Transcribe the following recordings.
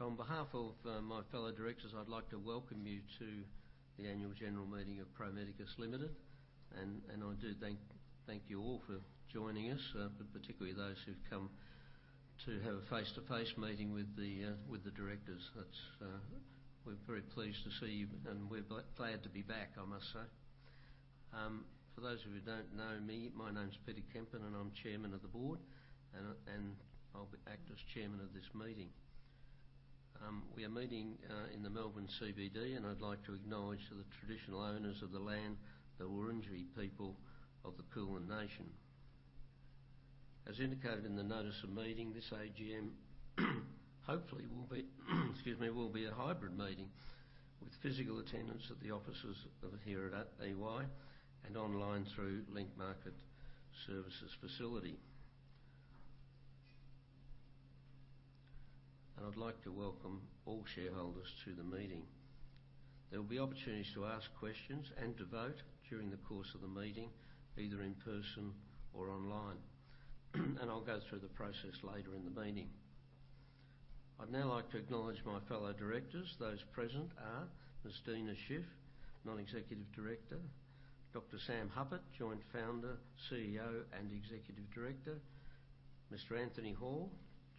On behalf of my fellow Directors, I'd like to welcome you to the Annual General Meeting of Pro Medicus Limited. I do thank you all for joining us, but particularly those who've come to have a face-to-face meeting with the Directors. We're very pleased to see you, and we're glad to be back, I must say. For those of you who don't know me, my name's Peter Kempen, and I'm Chairman of the Board. I'll act as Chairman of this meeting. We are meeting in the Melbourne CBD, and I'd like to acknowledge the traditional owners of the land, the Wurundjeri people of the Kulin Nation. As indicated in the notice of meeting, this AGM will be a hybrid meeting with physical attendance at the offices here at EY and online through Link Market Services facility. I'd like to welcome all shareholders to the meeting. There will be opportunities to ask questions and to vote during the course of the meeting, either in person or online. I'll go through the process later in the meeting. I'd now like to acknowledge my fellow directors. Those present are Ms. Deena Shiff, Non-Executive Director, Dr. Sam Hupert, Joint Founder, CEO, and Executive Director, Mr. Anthony Hall,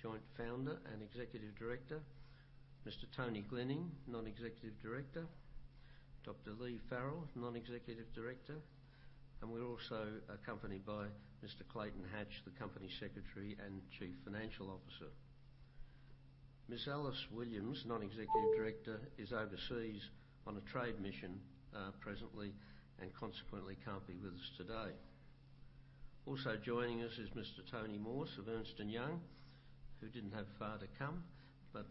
Joint Founder and Executive Director, Mr. Anthony Glenning, Non-Executive Director, Dr. Leigh Farrell, Non-Executive Director, and we're also accompanied by Mr. Clayton Hatch, the Company Secretary and Chief Financial Officer. Ms. Alice Williams, Non-Executive Director, is overseas on a trade mission presently and consequently can't be with us today. Also joining us is Mr. Tony Morse of Ernst & Young, who didn't have far to come, but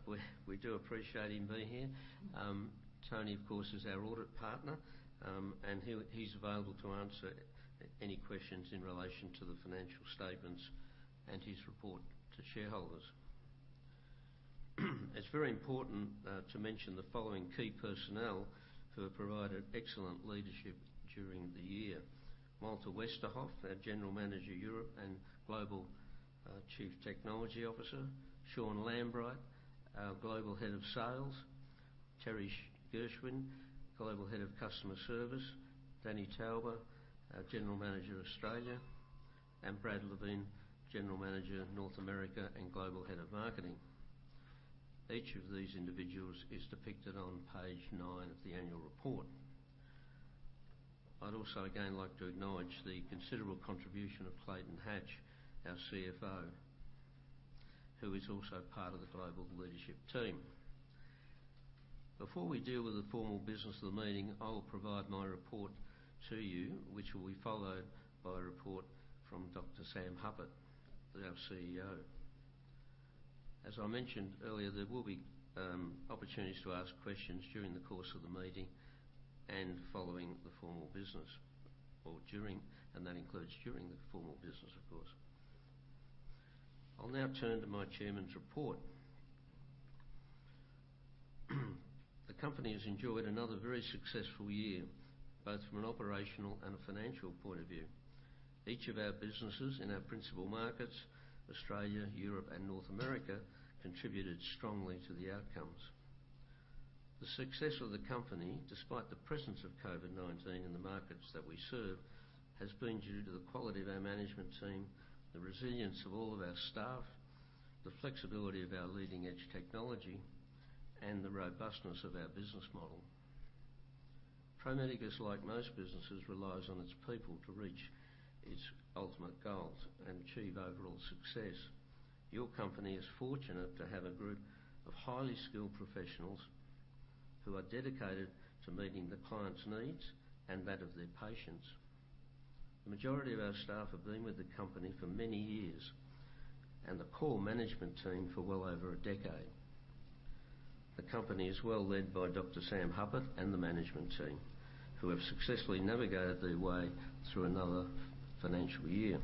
we do appreciate him being here. Tony, of course, is our Audit Partner, and he's available to answer any questions in relation to the financial statements and his report to shareholders. It's very important to mention the following key personnel who have provided excellent leadership during the year. Malte Westerhoff, our General Manager, Europe and Global Chief Technology Officer, Sean Lambright, our Global Head of Sales, Teresa Gschwind, Global Head of Customer Service, Danny Tauber, our General Manager, Australia, and Brad Levin, General Manager, North America and Global Head of Marketing. Each of these individuals is depicted on page 9 of the annual report. I'd also again like to acknowledge the considerable contribution of Clayton Hatch, our CFO, who is also part of the global leadership team. Before we deal with the formal business of the meeting, I will provide my report to you, which will be followed by a report from Dr. Sam Hupert, our CEO. As I mentioned earlier, there will be opportunities to ask questions during the course of the meeting and following the formal business or during, and that includes during the formal business, of course. I'll now turn to my Chairman's report. The Company has enjoyed another very successful year, both from an operational and a financial point of view. Each of our businesses in our principal markets, Australia, Europe, and North America, contributed strongly to the outcomes. The success of the company, despite the presence of COVID-19 in the markets that we serve, has been due to the quality of our management team, the resilience of all of our staff, the flexibility of our leading-edge technology, and the robustness of our business model. Pro Medicus, like most businesses, relies on its people to reach its ultimate goals and achieve overall success. Your company is fortunate to have a group of highly skilled professionals who are dedicated to meeting the clients' needs and that of their patients. The majority of our staff have been with the company for many years, and the core management team for well over a decade. The company is well led by Dr. Sam Hupert and the management team, who have successfully navigated their way through another financial year.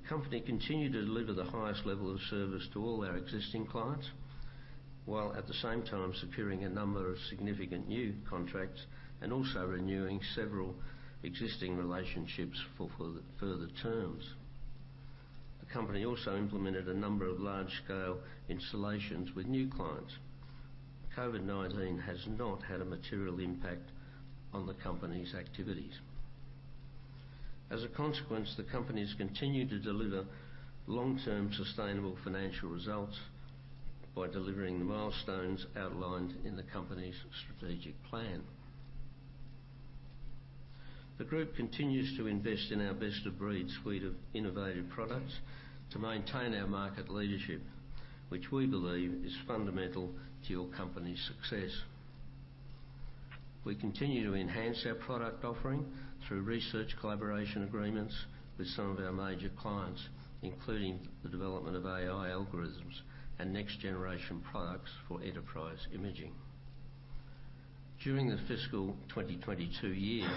The company continued to deliver the highest level of service to all our existing clients, while at the same time securing a number of significant new contracts and also renewing several existing relationships for further terms. The company also implemented a number of large-scale installations with new clients. COVID-19 has not had a material impact on the company's activities. As a consequence, the company's continued to deliver long-term sustainable financial results by delivering the milestones outlined in the company's strategic plan. The group continues to invest in our best-of-breed suite of innovative products to maintain our market leadership, which we believe is fundamental to your company's success. We continue to enhance our product offering through research collaboration agreements with some of our major clients, including the development of AI algorithms and next-generation products for enterprise imaging. During the fiscal 2022 year,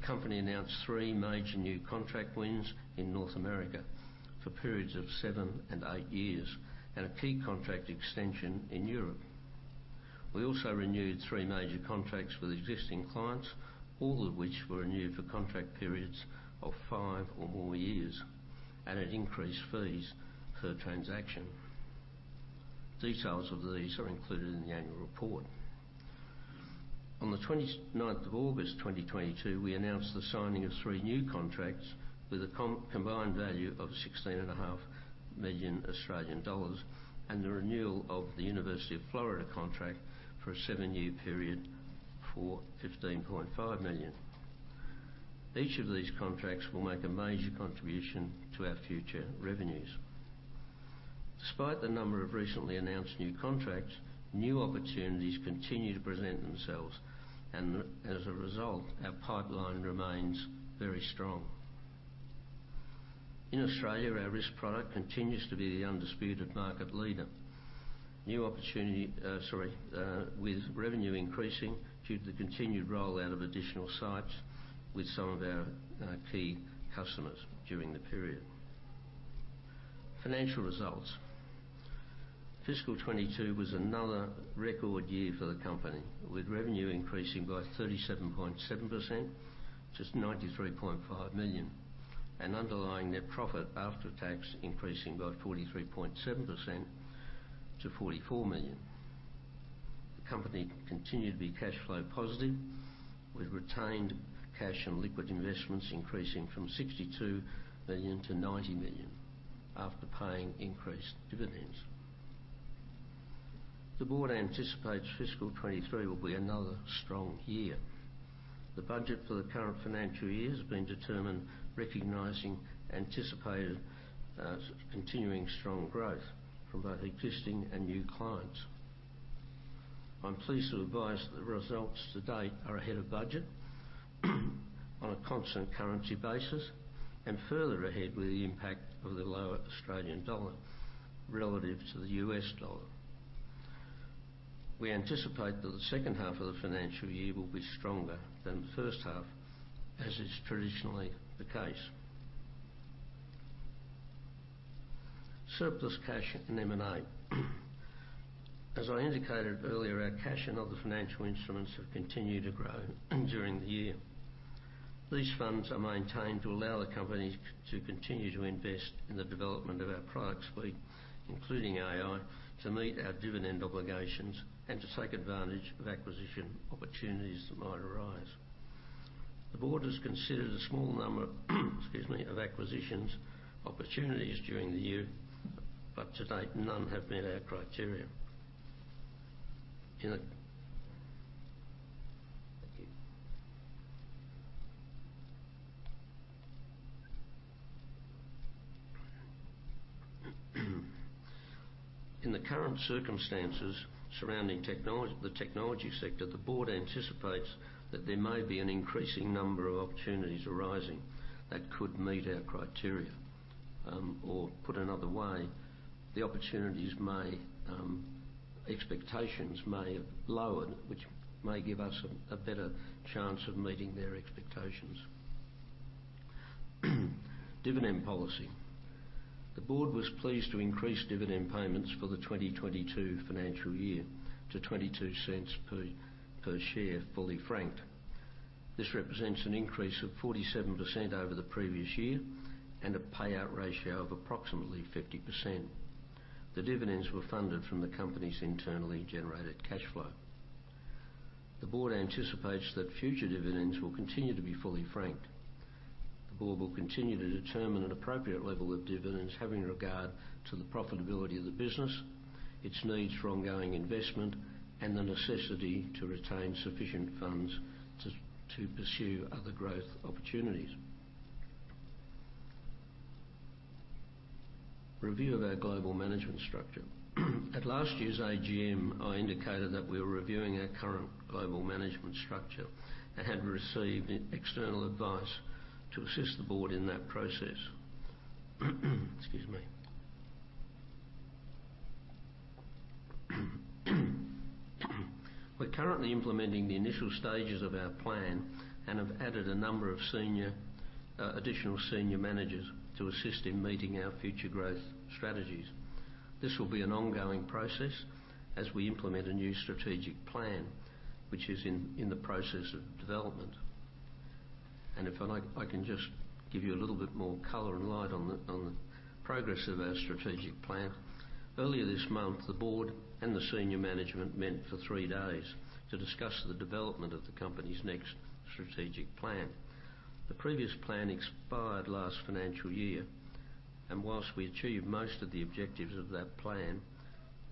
the company announced three major new contract wins in North America for periods of seven and eight years and a key contract extension in Europe. We also renewed three major contracts with existing clients, all of which were renewed for contract periods of five or more years at an increased fees per transaction. Details of these are included in the annual report. On the 29th of August 2022, we announced the signing of three new contracts with a combined value of 16 Australian dollars and a half million and the renewal of the University of Florida contract for a seven-year period for 15.5 million. Each of these contracts will make a major contribution to our future revenues. Despite the number of recently announced new contracts, new opportunities continue to present themselves, and as a result, our pipeline remains very strong. In Australia, our RIS product continues to be the undisputed market leader, with revenue increasing due to the continued rollout of additional sites with some of our key customers during the period. Financial results. Fiscal 2022 was another record year for the company, with revenue increasing by 37.7% to 93.5 million, and underlying net profit after tax increasing by 43.7% to 44 million. The company continued to be cash flow positive, with retained cash and liquid investments increasing from 62 million to 90 million after paying increased dividends. The Board anticipates fiscal 2023 will be another strong year. The budget for the current financial year has been determined recognizing anticipated continuing strong growth from both existing and new clients. I'm pleased to advise the results to date are ahead of budget on a constant currency basis and further ahead with the impact of the lower Australian dollar relative to the U.S. dollar. We anticipate that the second half of the financial year will be stronger than the first half, as is traditionally the case. Surplus cash and M&A. As I indicated earlier, our cash and other financial instruments have continued to grow during the year. These funds are maintained to allow the company to continue to invest in the development of our product suite, including AI, to meet our dividend obligations and to take advantage of acquisition opportunities that might arise. The Board has considered a small number, excuse me, of acquisitions opportunities during the year, but to date, none have met our criteria. Thank you. In the current circumstances surrounding the technology sector, the Board anticipates that there may be an increasing number of opportunities arising that could meet our criteria. Put another way, expectations may have lowered, which may give us a better chance of meeting their expectations. Dividend policy. The Board was pleased to increase dividend payments for the 2022 financial year to 0.22 per share, fully franked. This represents an increase of 47% over the previous year and a payout ratio of approximately 50%. The dividends were funded from the Company's internally generated cash flow. The Board anticipates that future dividends will continue to be fully franked. The Board will continue to determine an appropriate level of dividends, having regard to the profitability of the business, its needs for ongoing investment, and the necessity to retain sufficient funds to pursue other growth opportunities. Review of our global management structure. At last year's AGM, I indicated that we were reviewing our current global management structure and had received external advice to assist the Board in that process. Excuse me. We're currently implementing the initial stages of our plan and have added a number of additional senior managers to assist in meeting our future growth strategies. This will be an ongoing process as we implement a new strategic plan, which is in the process of development. I can just give you a little bit more color and light on the progress of our strategic plan. Earlier this month, the Board and the senior management met for three days to discuss the development of the company's next strategic plan. The previous plan expired last financial year, and whilst we achieved most of the objectives of that plan,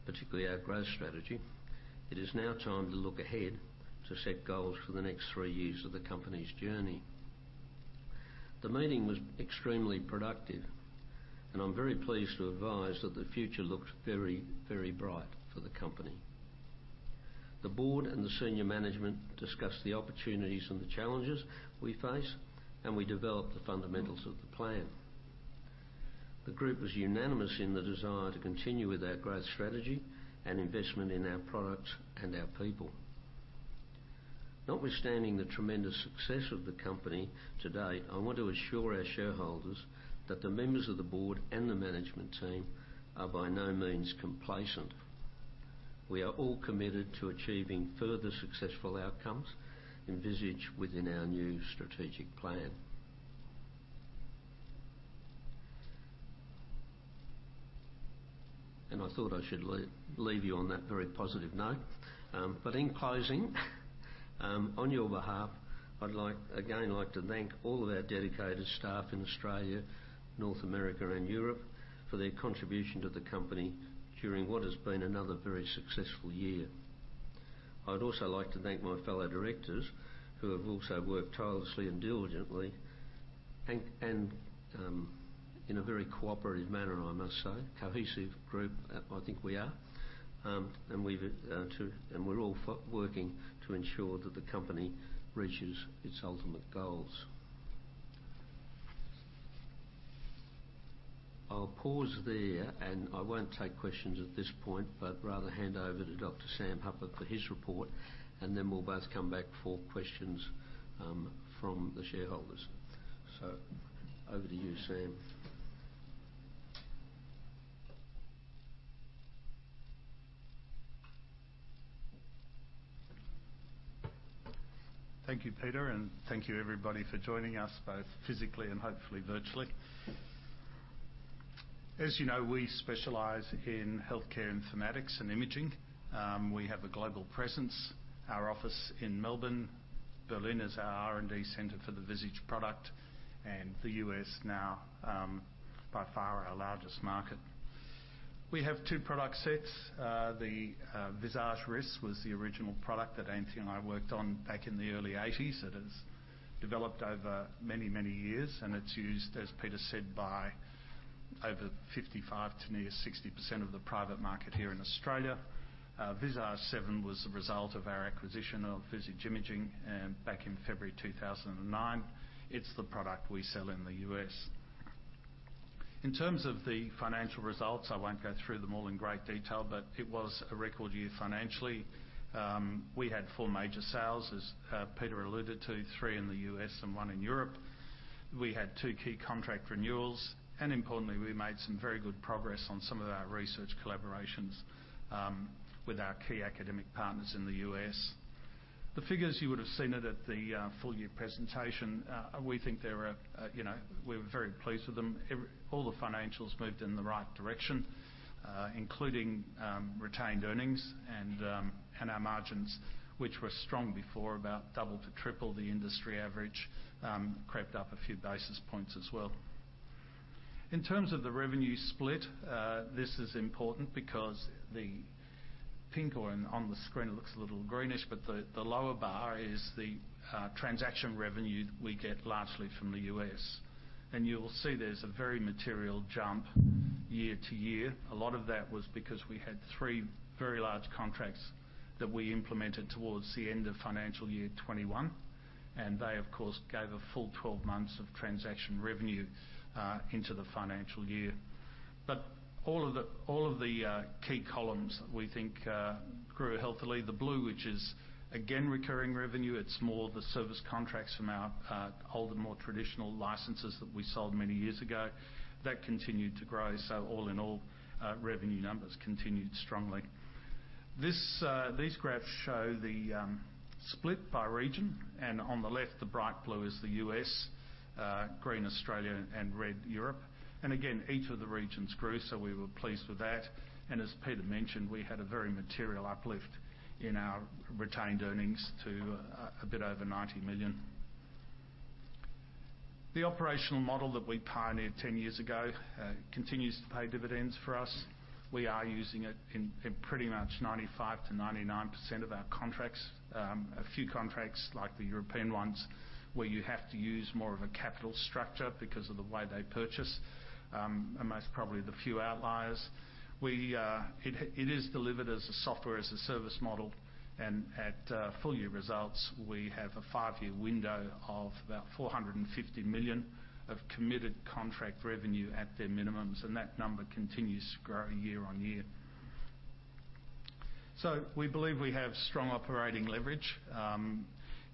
particularly our growth strategy, it is now time to look ahead to set goals for the next three years of the company's journey. The meeting was extremely productive, and I'm very pleased to advise that the future looks very, very bright for the company. The Board and the senior management discussed the opportunities and the challenges we face, and we developed the fundamentals of the plan. The group was unanimous in the desire to continue with our growth strategy and investment in our products and our people. Notwithstanding the tremendous success of the company to date, I want to assure our shareholders that the members of the Board and the management team are by no means complacent. We are all committed to achieving further successful outcomes envisaged within our new strategic plan. I thought I should leave you on that very positive note. In closing, on your behalf, I'd like, again, to thank all of our dedicated staff in Australia, North America, and Europe for their contribution to the company during what has been another very successful year. I would also like to thank my fellow directors, who have also worked tirelessly and diligently and in a very cooperative manner, I must say. Cohesive group, I think we are. We're all working to ensure that the company reaches its ultimate goals. I'll pause there, and I won't take questions at this point, but rather hand over to Dr. Sam Hupert for his report, and then we'll both come back for questions from the shareholders. Over to you, Sam. Thank you, Peter, and thank you everybody for joining us, both physically and hopefully virtually. As you know, we specialize in healthcare informatics and imaging. We have a global presence. Our office in Melbourne. Berlin is our R&D center for the Visage product, and the U.S. now by far our largest market. We have two product sets. The Visage RIS was the original product that Anthony and I worked on back in the early 1980s. It has developed over many, many years, and it's used, as Peter said, by over 55% to near 60% of the private market here in Australia. Visage 7 was the result of our acquisition of Visage Imaging back in February 2009. It's the product we sell in the U.S. In terms of the financial results, I won't go through them all in great detail, but it was a record year financially. We had four major sales, as Peter alluded to, three in the U.S. and one in Europe. We had two key contract renewals. Importantly, we made some very good progress on some of our research collaborations with our key academic partners in the U.S. The figures you would have seen it at the full-year presentation, we think they were, you know, we were very pleased with them. All the financials moved in the right direction, including retained earnings and our margins, which were strong before, about double to triple the industry average, crept up a few basis points as well. In terms of the revenue split, this is important because the pink or on the screen, it looks a little greenish, but the lower bar is the transaction revenue we get largely from the U.S. You'll see there's a very material jump year-to-year. A lot of that was because we had three very large contracts that we implemented towards the end of financial year 2021, and they, of course, gave a full 12 months of transaction revenue into the financial year. All of the key columns we think grew healthily. The blue, which is again recurring revenue, it's more of the service contracts from our older, more traditional licenses that we sold many years ago. That continued to grow. All in all, revenue numbers continued strongly. These graphs show the split by region, and on the left, the bright blue is the U.S., green Australia, and red Europe. Again, each of the regions grew, so we were pleased with that. As Peter mentioned, we had a very material uplift in our retained earnings to a bit over 90 million. The operational model that we pioneered 10 years ago continues to pay dividends for us. We are using it in pretty much 95%-99% of our contracts. A few contracts, like the European ones, where you have to use more of a capital structure because of the way they purchase, are most probably the few outliers. It is delivered as a Software as a Service model. At full-year results, we have a five-year window of about 450 million of committed contract revenue at their minimums, and that number continues to grow year-on-year. We believe we have strong operating leverage.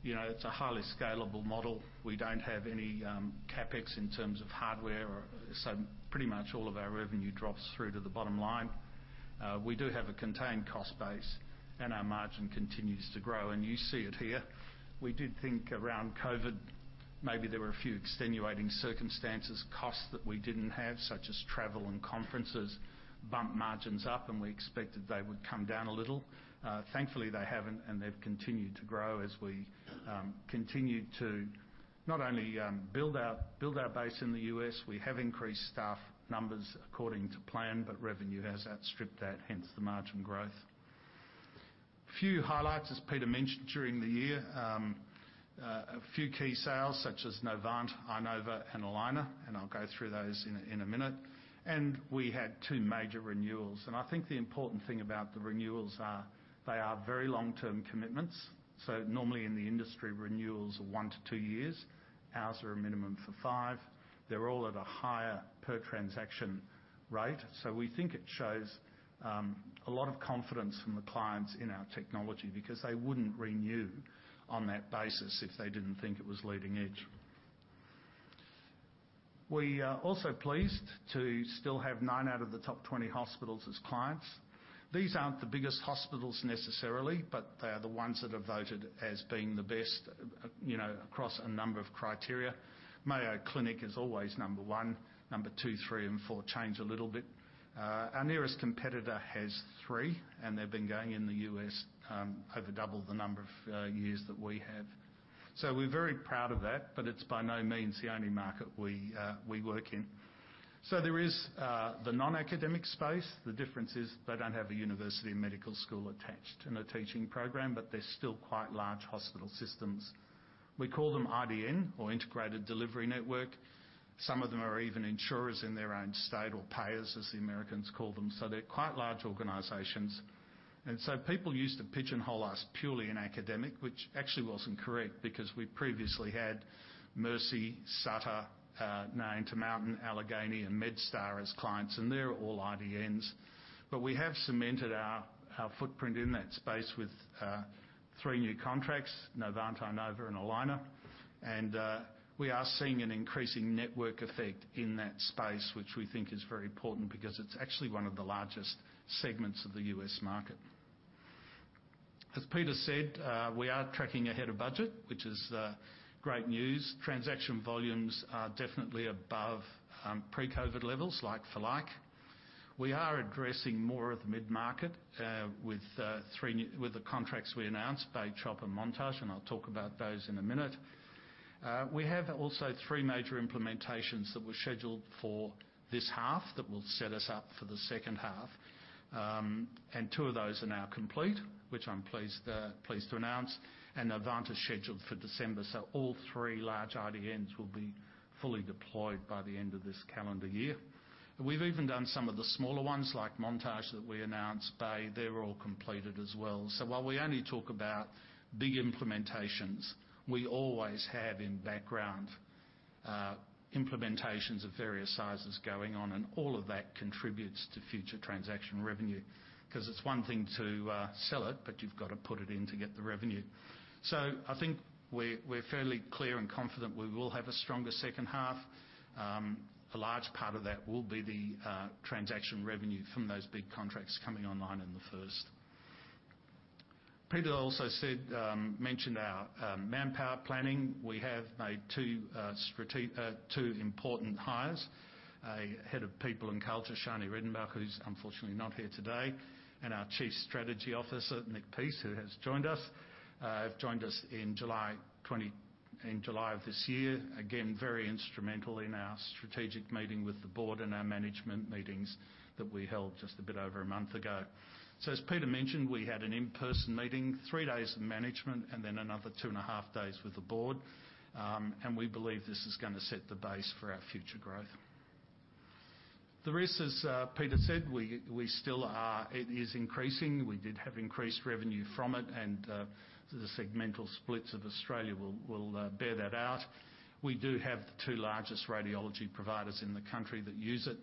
You know, it's a highly scalable model. We don't have any CapEx in terms of hardware, so pretty much all of our revenue drops through to the bottom line. We do have a contained cost base, and our margin continues to grow. You see it here. We did think around COVID, maybe there were a few extenuating circumstances, costs that we didn't have, such as travel and conferences, bumped margins up, and we expected they would come down a little. Thankfully, they haven't, and they've continued to grow as we continued to not only build our base in the U.S. We have increased staff numbers according to plan, but revenue has outstripped that, hence the margin growth. A few highlights, as Peter mentioned, during the year. A few key sales such as Novant, Inova, and Allina, and I'll go through those in a minute. We had two major renewals. I think the important thing about the renewals are they are very long-term commitments. Normally in the industry, renewals are one to two years. Ours are a minimum for five. They're all at a higher per transaction rate. We think it shows a lot of confidence from the clients in our technology because they wouldn't renew on that basis if they didn't think it was leading edge. We are also pleased to still have nine out of the top 20 hospitals as clients. These aren't the biggest hospitals necessarily, but they are the ones that are voted as being the best, you know, across a number of criteria. Mayo Clinic is always number one. Number two, three, and four change a little bit. Our nearest competitor has three, and they've been going in the U.S. over double the number of years that we have. We're very proud of that, but it's by no means the only market we work in. There is the non-academic space. The difference is they don't have a university medical school attached and a teaching program, but they're still quite large hospital systems. We call them IDN or integrated delivery network. Some of them are even insurers in their own state or payers, as the Americans call them. So they're quite large organizations. And so people used to pigeonhole us purely in academic, which actually wasn't correct because we previously had Mercy, Sutter, Intermountain, Allegheny, and MedStar as clients, and they're all IDNs. But we have cemented our footprint in that space with, uh, three new contracts, Novant, Inova, and Allina. And, uh, we are seeing an increasing network effect in that space, which we think is very important because it's actually one of the largest segments of the US market. As Peter said, uh, we are tracking ahead of budget, which is, uh, great news. Transaction volumes are definitely above pre-COVID levels like-for-like. We are addressing more of the mid-market with the contracts we announced, Bay, CHOP, and Montage, and I'll talk about those in a minute. We have also three major implementations that were scheduled for this half that will set us up for the second half. Two of those are now complete, which I'm pleased to announce, and Novant is scheduled for December. All three large IDNs will be fully deployed by the end of this calendar year. We've even done some of the smaller ones like Montage that we announced, Bay, they're all completed as well. While we only talk about big implementations, we always have in background implementations of various sizes going on, and all of that contributes to future transaction revenue. 'Cause it's one thing to sell it, but you've got to put it in to get the revenue. I think we're fairly clear and confident we will have a stronger second half. A large part of that will be the transaction revenue from those big contracts coming online in the first. Peter also mentioned our manpower planning. We have made two important hires, a Head of People and Culture, Sharni Redenbach, who's unfortunately not here today, and our Chief Strategy Officer, Nick Peden, who has joined us in July of this year. Again, very instrumental in our strategic meeting with the Board and our management meetings that we held just a bit over a month ago. As Peter mentioned, we had an in-person meeting, three days of management and then another two and a half days with the board. We believe this is gonna set the base for our future growth. The risk, as Peter said, it is increasing. We did have increased revenue from it and the segmental splits of Australia will bear that out. We do have the two largest radiology providers in the country that use it,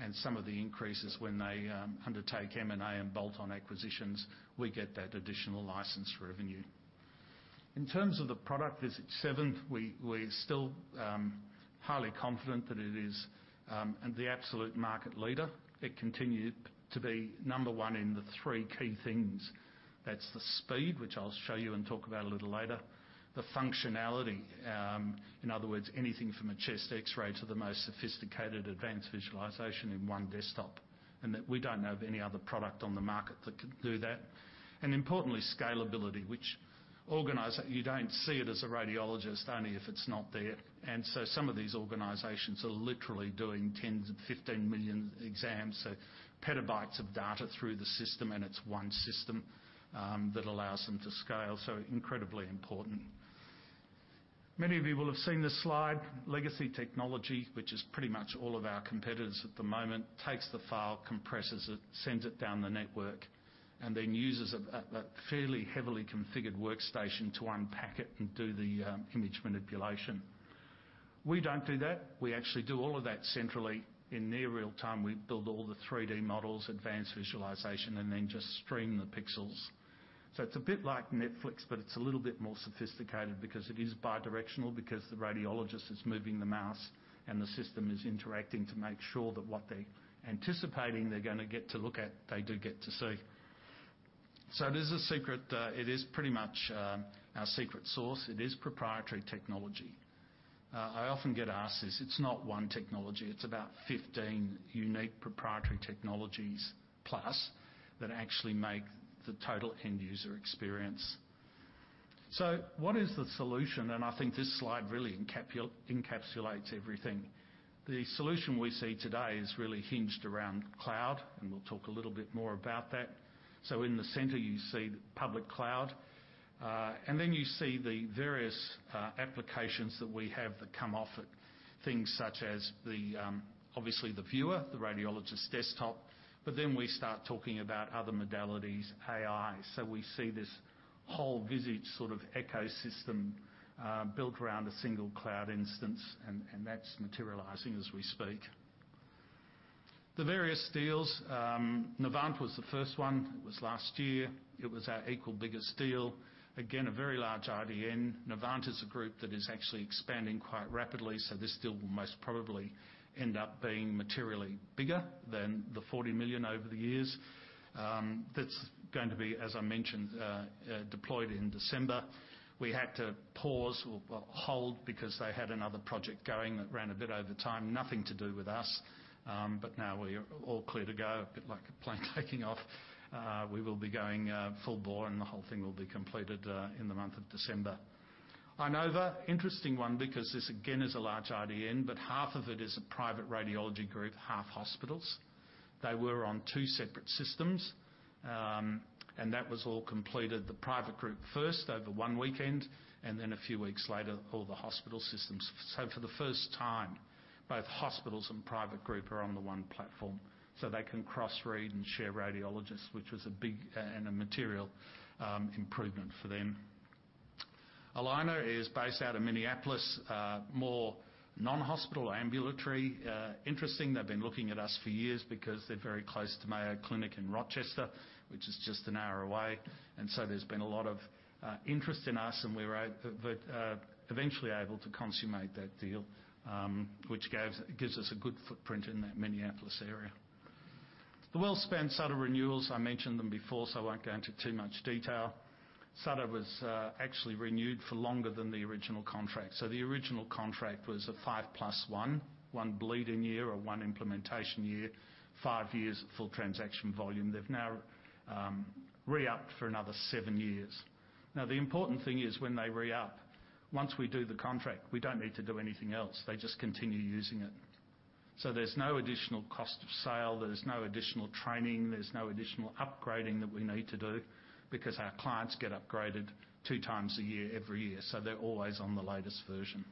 and some of the increases when they undertake M&A and bolt-on acquisitions, we get that additional license revenue. In terms of the product, Visage 7, we're still highly confident that it is the absolute market leader. It continued to be number one in the three key things. That's the speed, which I'll show you and talk about a little later. The functionality, in other words, anything from a chest X-ray to the most sophisticated advanced visualization in one desktop, and that we don't know of any other product on the market that could do that. Importantly, scalability, which you don't see it as a radiologist, only if it's not there. Some of these organizations are literally doing 10 million-15 million exams, so petabytes of data through the system, and it's one system that allows them to scale, so incredibly important. Many of you will have seen this slide, legacy technology, which is pretty much all of our competitors at the moment, takes the file, compresses it, sends it down the network, and then uses a fairly heavily configured workstation to unpack it and do the image manipulation. We don't do that. We actually do all of that centrally. In near real-time, we build all the 3D models, advanced visualization, and then just stream the pixels. It's a bit like Netflix, but it's a little bit more sophisticated because it is bidirectional because the radiologist is moving the mouse and the system is interacting to make sure that what they're anticipating they're gonna get to look at, they do get to see. It is a secret. It is pretty much our secret sauce. It is proprietary technology. I often get asked this. It's not one technology. It's about 15 unique proprietary technologies plus that actually make the total end user experience. What is the solution? I think this slide really encapsulates everything. The solution we see today is really hinged around cloud, and we'll talk a little bit more about that. In the center, you see the public cloud, and then you see the various applications that we have that come off it, things such as obviously the viewer, the radiologist's desktop, but then we start talking about other modalities, AI. We see this whole Visage sort of ecosystem built around a single cloud instance, and that's materializing as we speak. The various deals, Novant was the first one. It was last year. It was our equal biggest deal. Again, a very large IDN. Novant is a group that is actually expanding quite rapidly, so this deal will most probably end up being materially bigger than the 40 million over the years. That's going to be, as I mentioned, deployed in December. We had to pause or, well, hold because they had another project going that ran a bit over time. Nothing to do with us. Now we're all clear to go, a bit like a plane taking off. We will be going full bore, and the whole thing will be completed in the month of December. Inova, interesting one because this, again, is a large IDN, but half of it is a private radiology group, half hospitals. They were on two separate systems, and that was all completed, the private group first over one weekend, and then a few weeks later, all the hospital systems. For the first time, both hospitals and private group are on the one platform, so they can cross-read and share radiologists, which was a big and a material improvement for them. Allina is based out of Minneapolis, more non-hospital, ambulatory. Interesting, they've been looking at us for years because they're very close to Mayo Clinic in Rochester, which is just an hour away. There's been a lot of interest in us, and we were eventually able to consummate that deal, which gives us a good footprint in that Minneapolis area. The WellSpan Sutter renewals, I mentioned them before, so I won't go into too much detail. Sutter was actually renewed for longer than the original contract. The original contract was a five plus one bleed-in year or one implementation year, five years at full transaction volume. They've now re-upped for another seven years. Now, the important thing is when they re-up, once we do the contract, we don't need to do anything else. They just continue using it. There's no additional cost of sale, there's no additional training, there's no additional upgrading that we need to do because our clients get upgraded two times a year every year, so they're always on the latest version.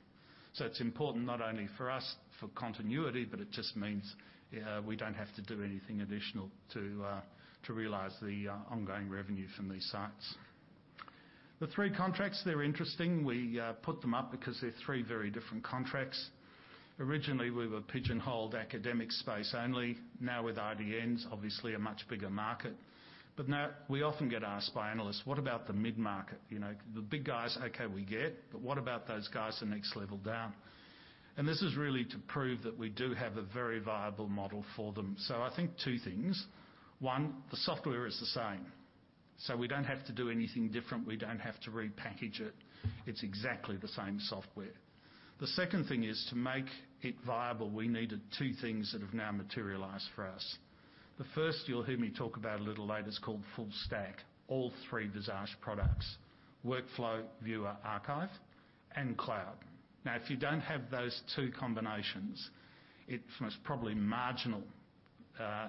It's important not only for us for continuity, but it just means we don't have to do anything additional to realize the ongoing revenue from these sites. The three contracts, they're interesting. We put them up because they're three very different contracts. Originally, we were pigeonholed academic space only. Now with IDNs, obviously a much bigger market. Now, we often get asked by analysts, "What about the mid-market? You know, the big guys, okay, we get, but what about those guys the next level down?" This is really to prove that we do have a very viable model for them. I think two things. One, the software is the same. We don't have to do anything different. We don't have to repackage it. It's exactly the same software. The second thing is to make it viable, we needed two things that have now materialized for us. The first you'll hear me talk about a little later is called full stack, all three Visage products, workflow, viewer, archive, and cloud. Now, if you don't have those two combinations, it's most probably marginal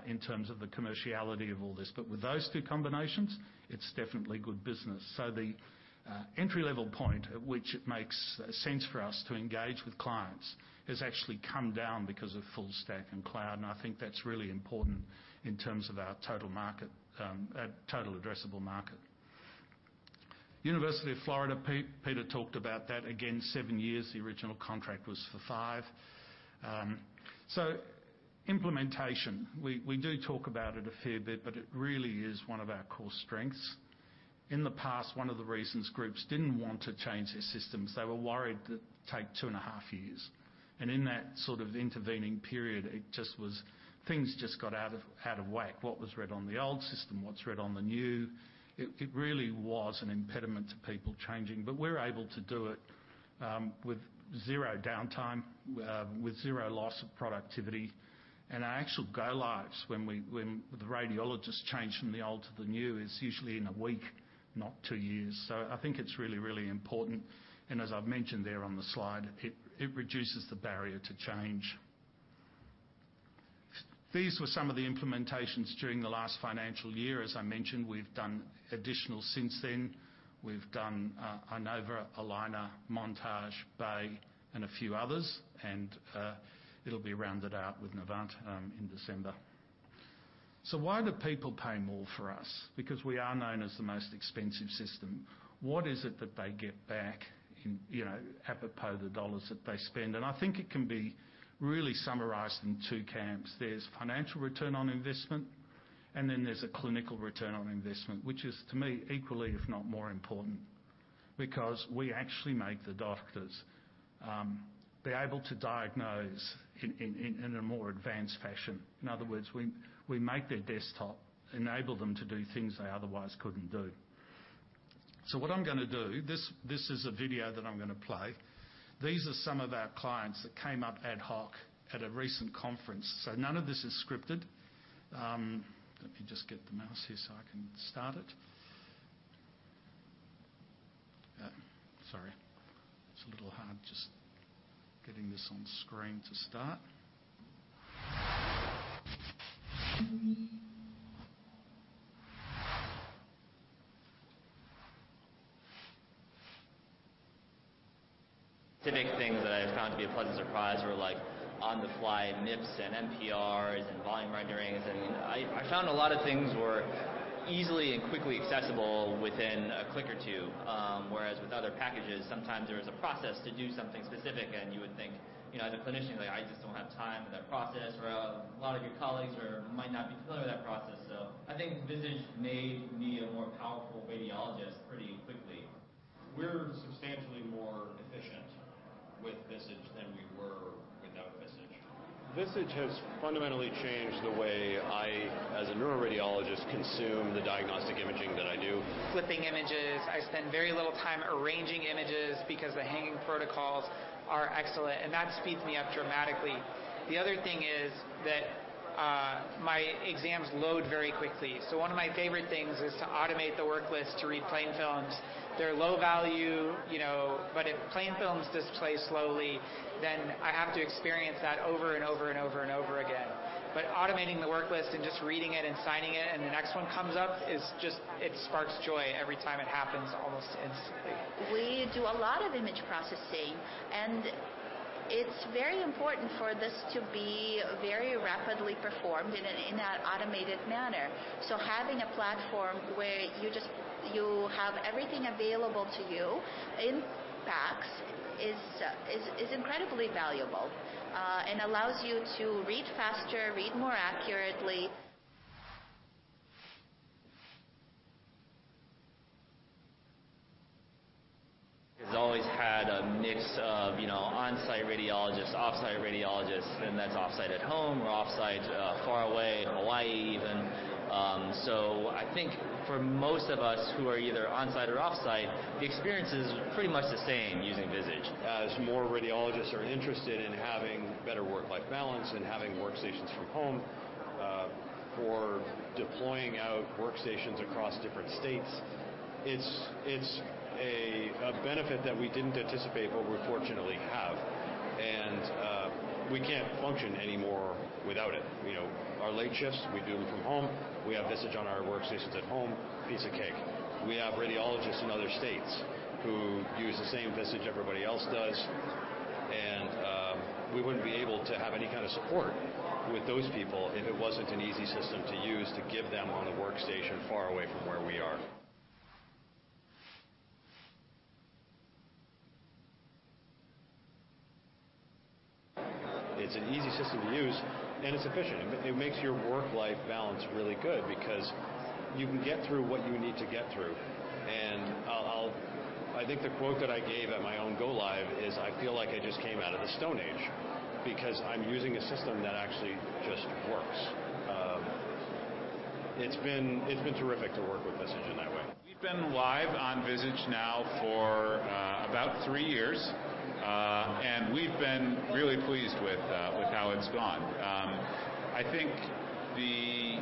in terms of the commerciality of all this. With those two combinations, it's definitely good business. The entry-level point at which it makes sense for us to engage with clients has actually come down because of full stack and cloud, and I think that's really important in terms of our total addressable market. University of Florida, Peter Kempen talked about that. Again, seven years. The original contract was for five. Implementation, we do talk about it a fair bit, but it really is one of our core strengths. In the past, one of the reasons groups didn't want to change their systems, they were worried that it'd take two and a half years. In that sort of intervening period, things just got out of whack. What was read on the old system, what's read on the new, it really was an impediment to people changing. We're able to do it with zero downtime, with zero loss of productivity. Our actual go-lives when the radiologists change from the old to the new is usually in a week, not two years. I think it's really, really important. And as I've mentioned there on the slide, it reduces the barrier to change. These were some of the implementations during the last financial year. As I mentioned, we've done additional since then. We've done, uh, Inova, Allina, Montage, Bay, and a few others. And, it'll be rounded out with Novant, um, in December. So why do people pay more for us? Because we are known as the most expensive system. What is it that they get back in, you know, apropos the dollars that they spend? And I think it can be really summarized in two camps. There's financial return on investment, and then there's a clinical return on investment, which is, to me, equally, if not more important, because we actually make the doctors, um, be able to diagnose in, in a more advanced fashion. In other words, we make their desktop enable them to do things they otherwise couldn't do. This is a video that I'm gonna play. These are some of our clients that came up ad hoc at a recent conference. None of this is scripted. Let me just get the mouse here so I can start it. Sorry. It's a little hard just getting this on screen to start. Typical things that I found to be a pleasant surprise were, like, on-the-fly MIPs and MPRs and volume rendering. I found a lot of things were easily and quickly accessible within a click or two. Whereas with other packages, sometimes there was a process to do something specific, and you would think, you know, as a clinician, like, "I just don't have time for that process," or a lot of your colleagues might not be familiar with that process. I think Visage made me a more powerful radiologist pretty quickly. We're substantially more efficient with Visage than we were without Visage. Visage has fundamentally changed the way I, as a neuroradiologist, consume the diagnostic imaging that I do. Flipping images, I spend very little time arranging images because the hanging protocols are excellent, and that speeds me up dramatically. The other thing is that my exams load very quickly. One of my favorite things is to automate the worklist to read plain films. They're low value, you know, but if plain films display slowly, then I have to experience that over and over and over and over again. Automating the worklist and just reading it and signing it, and the next one comes up, it sparks joy every time it happens almost instantly. We do a lot of image processing, and it's very important for this to be very rapidly performed in an automated manner. Having a platform where you have everything available to you in PACS is incredibly valuable and allows you to read faster, read more accurately. Has always had a mix of, you know, on-site radiologists, off-site radiologists, and that's off-site at home or off-site far away in Hawaii even. I think for most of us who are either on-site or off-site, the experience is pretty much the same using Visage. As more radiologists are interested in having better work-life balance and having workstations from home for deploying out workstations across different states, it's a benefit that we didn't anticipate but we fortunately have. We can't function anymore without it. You know, our late shifts, we do them from home. We have Visage on our workstations at home, piece of cake. We have radiologists in other states who use the same Visage everybody else does, and we wouldn't be able to have any kind of support with those people if it wasn't an easy system to use to give them on a workstation far away from where we are. It's an easy system to use, and it's efficient. It makes your work-life balance really good because you can get through what you need to get through. I think the quote that I gave at my own go-live is, "I feel like I just came out of the Stone Age because I'm using a system that actually just works." It's been terrific to work with Visage in that way. We've been live on Visage now for about three years, and we've been really pleased with how it's gone. I think the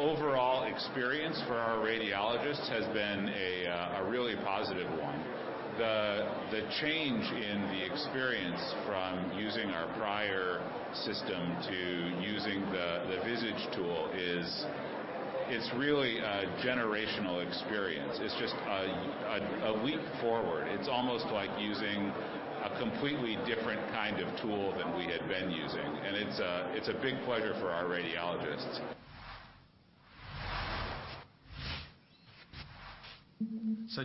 overall experience for our radiologists has been a really positive one. The change in the experience from using our prior system to using the Visage tool is really a generational experience. It's just a leap forward. It's almost like using a completely different kind of tool than we had been using, and it's a big pleasure for our radiologists.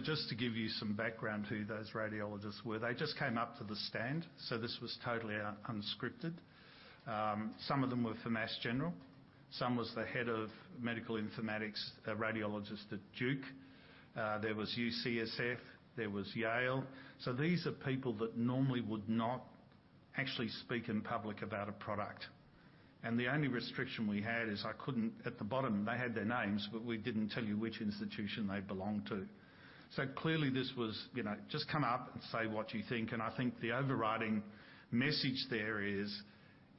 Just to give you some background who those radiologists were. They just came up to the stand, so this was totally unscripted. Some of them were from Mass General. Some was the head of medical informatics, a radiologist at Duke. There was UCSF, there was Yale. These are people that normally would not actually speak in public about a product. The only restriction we had is I couldn't. At the bottom, they had their names, but we didn't tell you which institution they belong to. Clearly, this was, you know, just come up and say what you think. I think the overriding message there is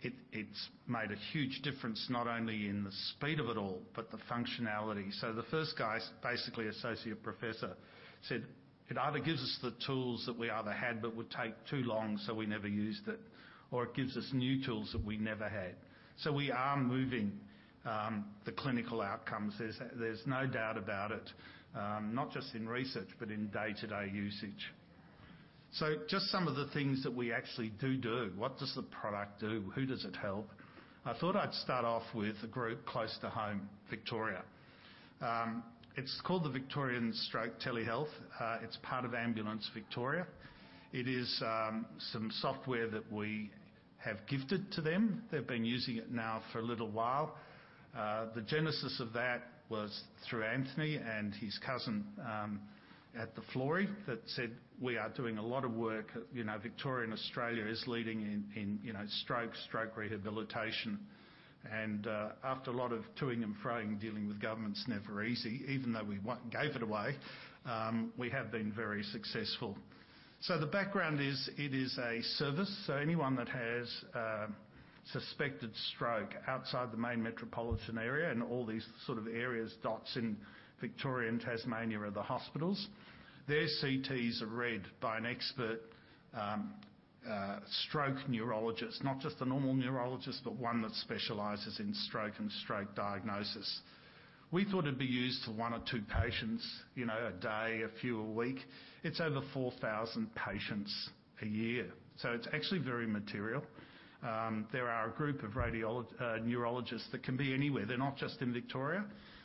it's made a huge difference not only in the speed of it all, but the functionality. The first guy, basically Associate Professor, said, "It either gives us the tools that we either had but would take too long, so we never used it, or it gives us new tools that we never had." We are moving the clinical outcomes. There's no doubt about it, not just in research, but in day-to-day usage. Just some of the things that we actually do. What does the product do? Who does it help? I thought I'd start off with a group close to home, Victoria. It's called the Victorian Stroke Telemedicine. It's part of Ambulance Victoria. It is some software that we have gifted to them. They've been using it now for a little while. The genesis of that was through Anthony and his cousin at The Florey that said, "We are doing a lot of work." You know, Victoria and Australia is leading in stroke rehabilitation. After a lot of to-ing and fro-ing, dealing with government's never easy, even though we gave it away, we have been very successful. The background is, it is a service. Anyone that has a suspected stroke outside the main metropolitan area, and all these sort of areas, dots in Victoria and Tasmania are the hospitals. Their CTs are read by an expert stroke neurologist, not just a normal neurologist, but one that specializes in stroke and stroke diagnosis. We thought it'd be used for one or two patients, you know, a day, a few a week. It's over 4,000 patients a year, so it's actually very material. There are a group of neurologists that can be anywhere. They're not just in Victoria.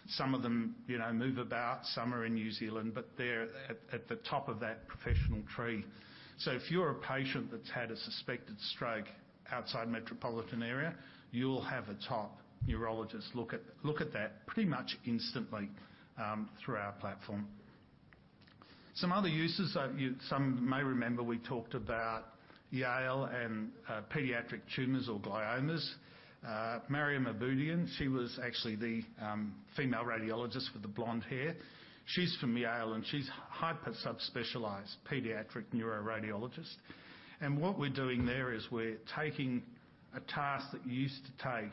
Some of them, you know, move about, some are in New Zealand, but they're at the top of that professional tree. If you're a patient that's had a suspected stroke outside metropolitan area, you'll have a top neurologist look at that pretty much instantly through our platform. Some other uses that some may remember, we talked about Yale and pediatric tumors or gliomas. Mariam Aboian, she was actually the female radiologist with the blonde hair. She's from Yale, and she's hyper subspecialized pediatric neuroradiologist. What we're doing there is we're taking a task that used to take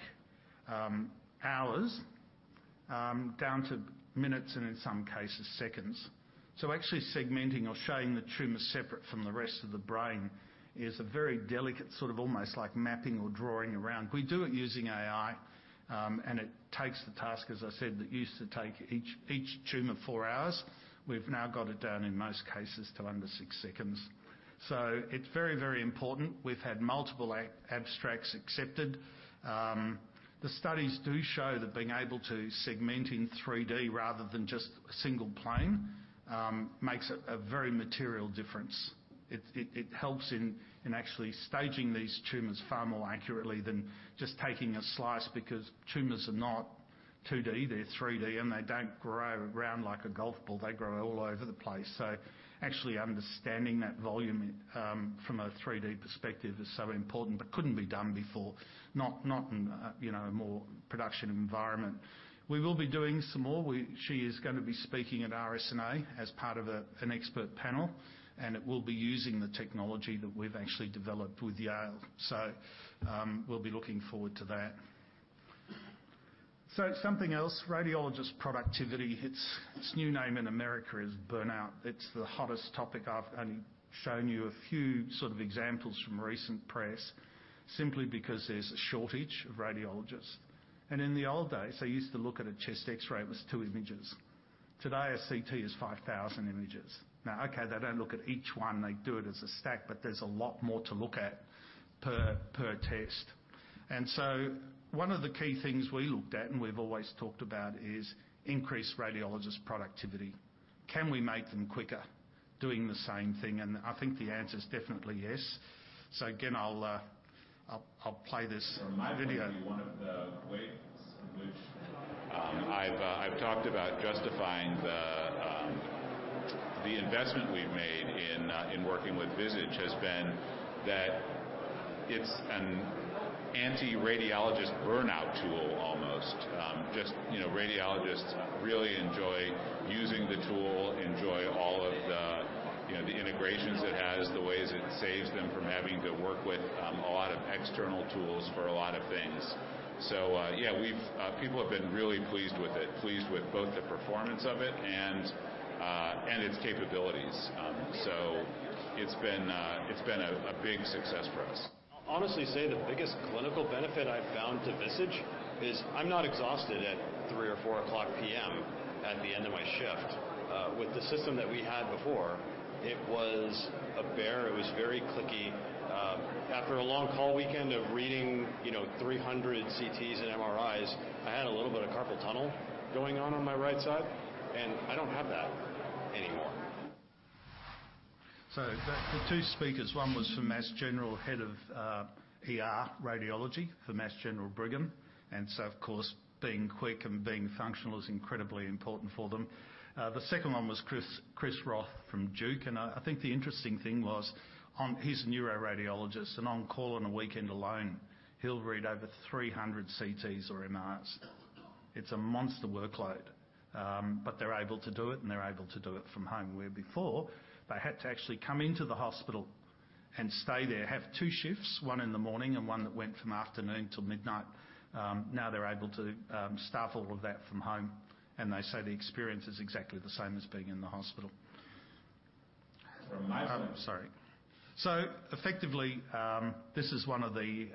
hours down to minutes and in some cases, seconds. Actually segmenting or showing the tumor separate from the rest of the brain is a very delicate, sort of almost like mapping or drawing around. We do it using AI, and it takes the task, as I said, that used to take each tumor 4 hours. We've now got it down in most cases to under 6 seconds. It's very, very important. We've had multiple abstracts accepted. The studies do show that being able to segment in 3D rather than just a single plane makes a very material difference. It helps in actually staging these tumors far more accurately than just taking a slice because tumors are not 2D, they're 3D, and they don't grow around like a golf ball. They grow all over the place. Actually understanding that volume from a 3D perspective is so important, but couldn't be done before. Not in, you know, a more production environment. We will be doing some more. She is gonna be speaking at RSNA as part of an expert panel, and it will be using the technology that we've actually developed with Yale. We'll be looking forward to that. Something else, radiologist productivity. Its new name in America is burnout. It's the hottest topic. I've shown you a few sort of examples from recent press simply because there's a shortage of radiologists. In the old days, they used to look at a chest X-ray, it was two images. Today, a CT is 5,000 images. Now, okay, they don't look at each one. They do it as a stack, but there's a lot more to look at per test. One of the key things we looked at, and we've always talked about, is increased radiologist productivity. Can we make them quicker doing the same thing? I think the answer is definitely, yes. Again, I'll play this video. From my point of view, one of the ways in which I've talked about justifying the investment we've made in working with Visage has been that it's an anti-radiologist burnout tool, almost. Just, you know, radiologists really enjoy using the tool, enjoy all of the, you know, integrations it has, the ways it saves them from having to work with a lot of external tools for a lot of things. People have been really pleased with it, pleased with both the performance of it and its capabilities. It's been a big success for us. I'll honestly say the biggest clinical benefit I've found to Visage is I'm not exhausted at 3:00 or 4:00 P.M. at the end of my shift. With the system that we had before, it was a bear. It was very clicky. After a long call weekend of reading, you know, 300 CTs and MRIs, I had a little bit of carpal tunnel going on on my right side, and I don't have that anymore. The two speakers, one was from Mass General, head of E.R. Radiology for Mass General Brigham. Of course, being quick and being functional is incredibly important for them. The second one was Chris Roth from Duke. I think the interesting thing was he's a neuroradiologist, and on call on a weekend alone, he'll read over 300 C.T.s or MRIs. It's a monster workload. They're able to do it, and they're able to do it from home, where before, they had to actually come into the hospital and stay there, have two shifts, one in the morning and one that went from afternoon till midnight. Now they're able to staff all of that from home, and they say the experience is exactly the same as being in the hospital. From my point of view. Sorry. Effectively, this is one of the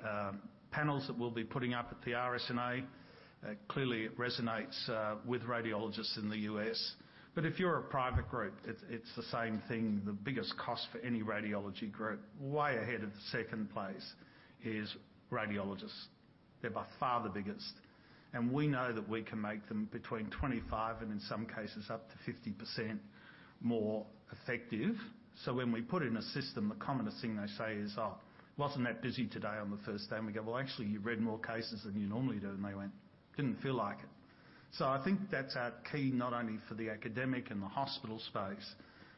panels that we'll be putting up at the RSNA. Clearly, it resonates with radiologists in the U.S. If you're a private group, it's the same thing. The biggest cost for any radiology group, way ahead of the second place, is radiologists. They're by far the biggest. We know that we can make them between 25% and in some cases up to 50% more effective. When we put in a system, the commonest thing they say is, "Oh, wasn't that busy today on the first day." We go, "Well, actually, you read more cases than you normally do." They went, "Didn't feel like it." I think that's our key, not only for the academic and the hospital space,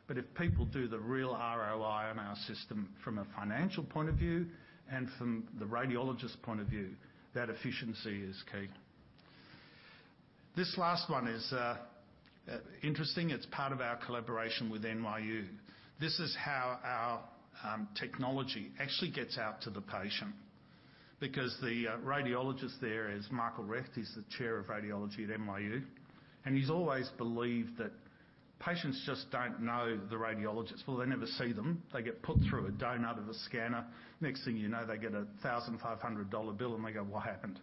but if people do the real ROI on our system from a financial point of view and from the radiologist point of view, that efficiency is key. This last one is interesting. It's part of our collaboration with NYU. This is how our technology actually gets out to the patient because the Radiologist there is Michael Recht. He's the Chair of Radiology at NYU, and he's always believed that patients just don't know the radiologists. Well, they never see them. They get put through a donut of a scanner. Next thing you know, they get a 1,500 dollar bill, and they go, "What happened?"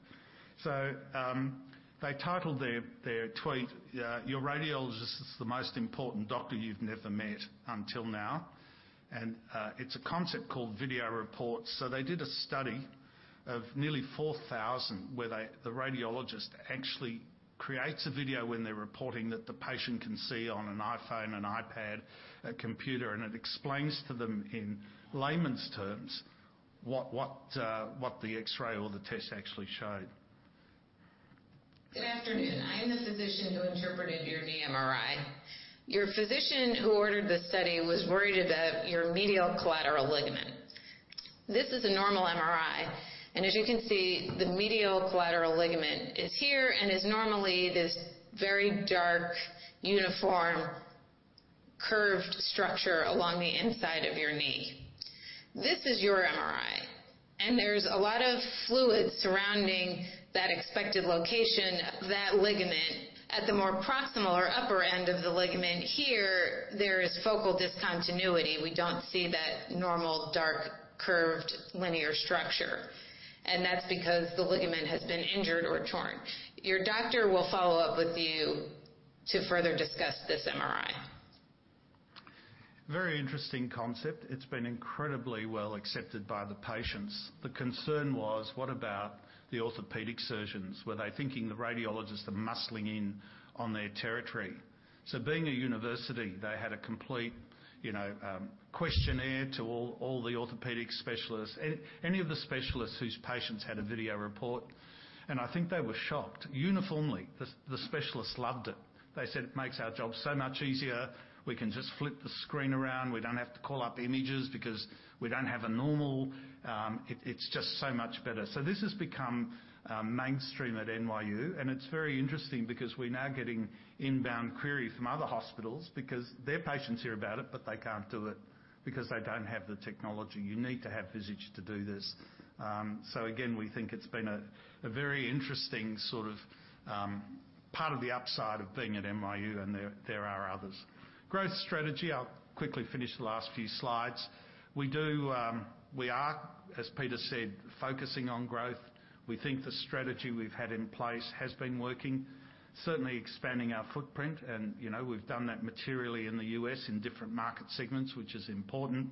They titled their tweet, "Your radiologist is the most important doctor you've never met until now." It's a concept called video reports. They did a study of nearly 4,000 where the radiologist actually creates a video when they're reporting that the patient can see on an iPhone, an iPad, a computer, and it explains to them in layman's terms what the X-ray or the test actually showed. Good afternoon. I am the physician who interpreted your knee MRI. Your physician who ordered the study was worried about your medial collateral ligament. This is a normal MRI, and as you can see, the medial collateral ligament is here and is normally this very dark, uniform, curved structure along the inside of your knee. This is your MRI, and there's a lot of fluid surrounding that expected location, that ligament. At the more proximal or upper end of the ligament here, there is focal discontinuity. We don't see that normal, dark, curved, linear structure, and that's because the ligament has been injured or torn. Your doctor will follow up with you to further discuss this MRI. Very interesting concept. It's been incredibly well accepted by the patients. The concern was, what about the orthopedic surgeons? Were they thinking the radiologists are muscling in on their territory? Being a university, they had a complete, you know, questionnaire to all the orthopedic specialists, any of the specialists whose patients had a video report. I think they were shocked. Uniformly, the specialists loved it. They said, "It makes our job so much easier. We can just flip the screen around. We don't have to call up images because we don't have a normal. It's just so much better." This has become mainstream at NYU, and it's very interesting because we're now getting inbound queries from other hospitals because their patients hear about it, but they can't do it because they don't have the technology. You need to have Visage to do this. Again, we think it's been a very interesting sort of part of the upside of being at NYU, and there are others. Growth strategy. I'll quickly finish the last few slides. We are, as Peter said, focusing on growth. We think the strategy we've had in place has been working, certainly expanding our footprint and, you know, we've done that materially in the U.S. in different market segments, which is important.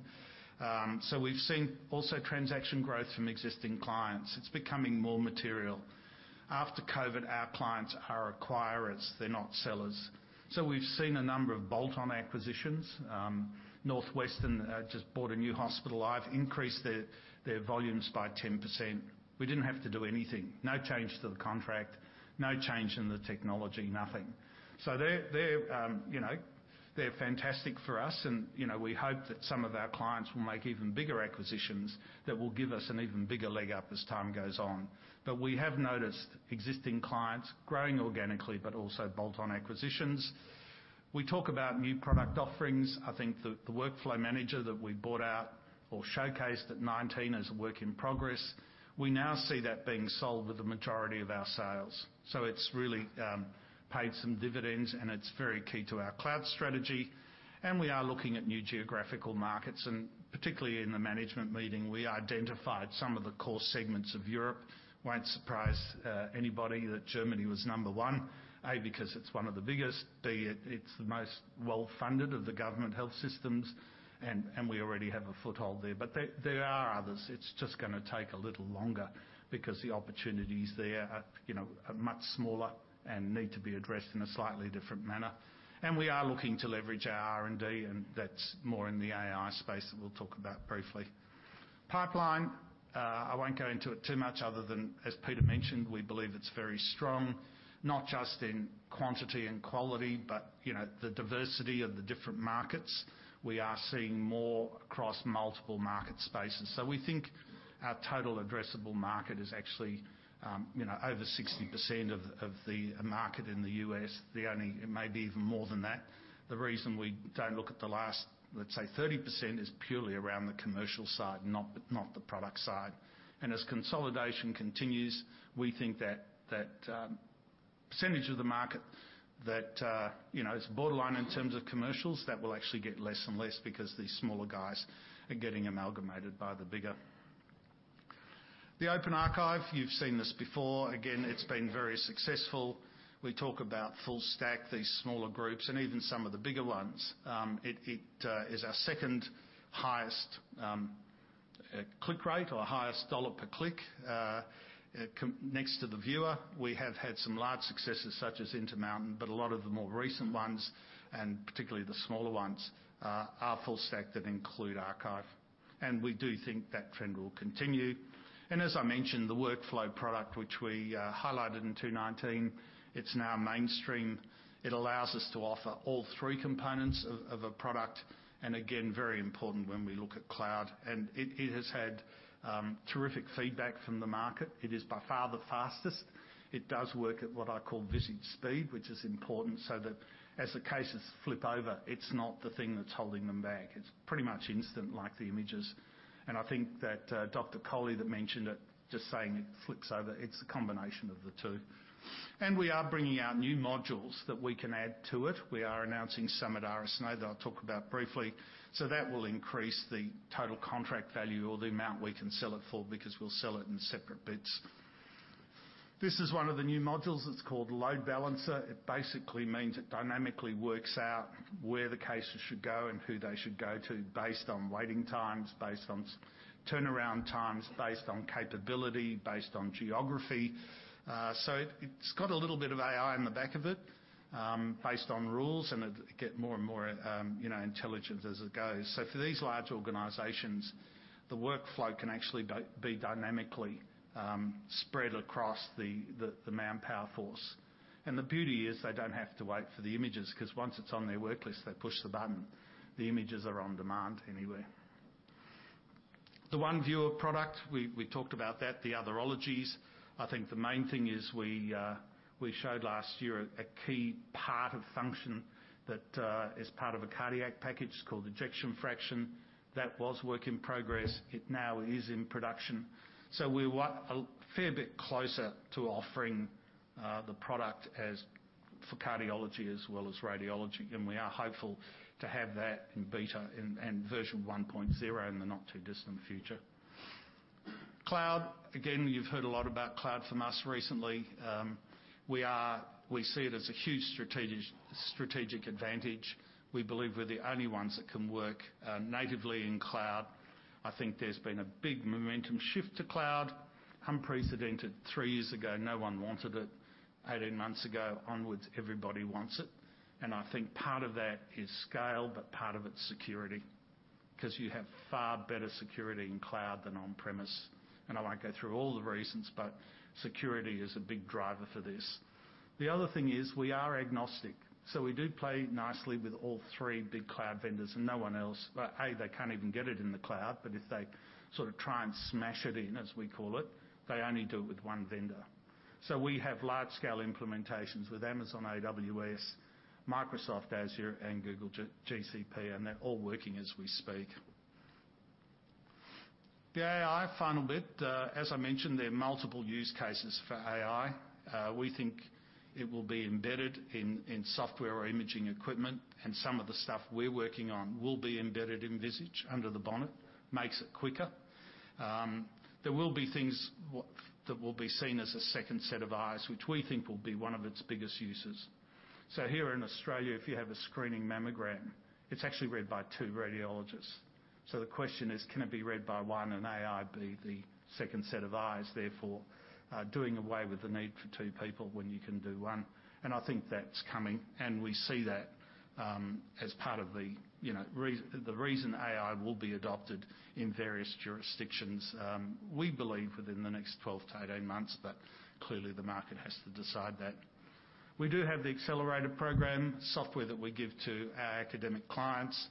We've seen also transaction growth from existing clients. It's becoming more material. After COVID, our clients are acquirers. They're not sellers. We've seen a number of bolt-on acquisitions. Northwestern just bought a new hospital. It's increased their volumes by 10%. We didn't have to do anything. No change to the contract, no change in the technology, nothing. They're, you know, they're fantastic for us and, you know, we hope that some of our clients will make even bigger acquisitions that will give us an even bigger leg up as time goes on. We have noticed existing clients growing organically, but also bolt-on acquisitions. We talk about new product offerings. I think the workflow manager that we brought out or showcased at 2019 is a work in progress. We now see that being sold with the majority of our sales. It's really paid some dividends, and it's very key to our cloud strategy. We are looking at new geographical markets, and particularly in the management meeting, we identified some of the core segments of Europe. Won't surprise anybody that Germany was number one, A, because it's one of the biggest, B, it's the most well-funded of the government health systems, and we already have a foothold there. There are others. It's just gonna take a little longer because the opportunities there, you know, are much smaller and need to be addressed in a slightly different manner. We are looking to leverage our R&D, and that's more in the AI space that we'll talk about briefly. Pipeline, I won't go into it too much other than, as Peter mentioned, we believe it's very strong, not just in quantity and quality, but you know, the diversity of the different markets. We are seeing more across multiple market spaces. We think our total addressable market is actually, you know, over 60% of the market in the U.S. It may be even more than that. The reason we don't look at the last, let's say, 30% is purely around the commercial side, not the product side. As consolidation continues, we think that percentage of the market that, you know, it's borderline in terms of commercials, that will actually get less and less because these smaller guys are getting amalgamated by the bigger. The Open Archive, you've seen this before. Again, it's been very successful. We talk about full stack, these smaller groups and even some of the bigger ones. It is our second highest click rate or highest dollar per click next to the viewer. We have had some large successes such as Intermountain, but a lot of the more recent ones, and particularly the smaller ones, are full stack that include Archive, and we do think that trend will continue. As I mentioned, the workflow product, which we highlighted in 2019, it's now mainstream. It allows us to offer all three components of a product, and again, very important when we look at cloud. It has had terrific feedback from the market. It is by far the fastest. It does work at what I call Visage speed, which is important so that as the cases flip over, it's not the thing that's holding them back. It's pretty much instant like the images. Coley that mentioned it, just saying it flicks over, it's a combination of the two. We are bringing out new modules that we can add to it. We are announcing some at RSNA that I'll talk about briefly. That will increase the total contract value or the amount we can sell it for because we'll sell it in separate bits. This is one of the new modules. It's called Load Balancer. It basically means it dynamically works out where the cases should go and who they should go to based on waiting times, based on turnaround times, based on capability, based on geography. It's got a little bit of AI in the back of it, based on rules, and it get more and more, you know, intelligent as it goes. For these large organizations, the workflow can actually be dynamically spread across the manpower force. The beauty is they don't have to wait for the images 'cause once it's on their work list, they push the button. The images are on demand anyway. The OneViewer product, we talked about that, the other ologies. I think the main thing is we showed last year a key part of function that is part of a cardiac package called ejection fraction. That was work in progress. It now is in production, so we're what? A fair bit closer to offering the product as for cardiology as well as radiology, and we are hopeful to have that in beta and version 1.0 in the not-too-distant future. Cloud, again, you've heard a lot about cloud from us recently. We see it as a huge strategic advantage. We believe we're the only ones that can work natively in cloud. I think there's been a big momentum shift to cloud, unprecedented. 3 years ago, no one wanted it. 18 months ago onwards, everybody wants it. I think part of that is scale, but part of it's security 'cause you have far better security in cloud than on-premise. I won't go through all the reasons, but security is a big driver for this. The other thing is we are agnostic, so we do play nicely with all 3 big cloud vendors and no one else. A, they can't even get it in the cloud, but if they sort of try and smash it in, as we call it, they only do it with 1 vendor. We have large-scale implementations with Amazon AWS, Microsoft Azure, and Google GCP, and they're all working as we speak. The AI final bit, as I mentioned, there are multiple use cases for AI. We think it will be embedded in software or imaging equipment, and some of the stuff we're working on will be embedded in Visage under the bonnet. Makes it quicker. There will be things that will be seen as a second set of eyes, which we think will be one of its biggest uses. Here in Australia, if you have a screening mammogram, it's actually read by two radiologists. The question is, can it be read by one and AI be the second set of eyes, therefore, doing away with the need for two people when you can do one? I think that's coming, and we see that as part of the, you know, reason AI will be adopted in various jurisdictions. We believe within the next 12-18 months, but clearly, the market has to decide that. We do have the Accelerator program software that we give to our academic clients.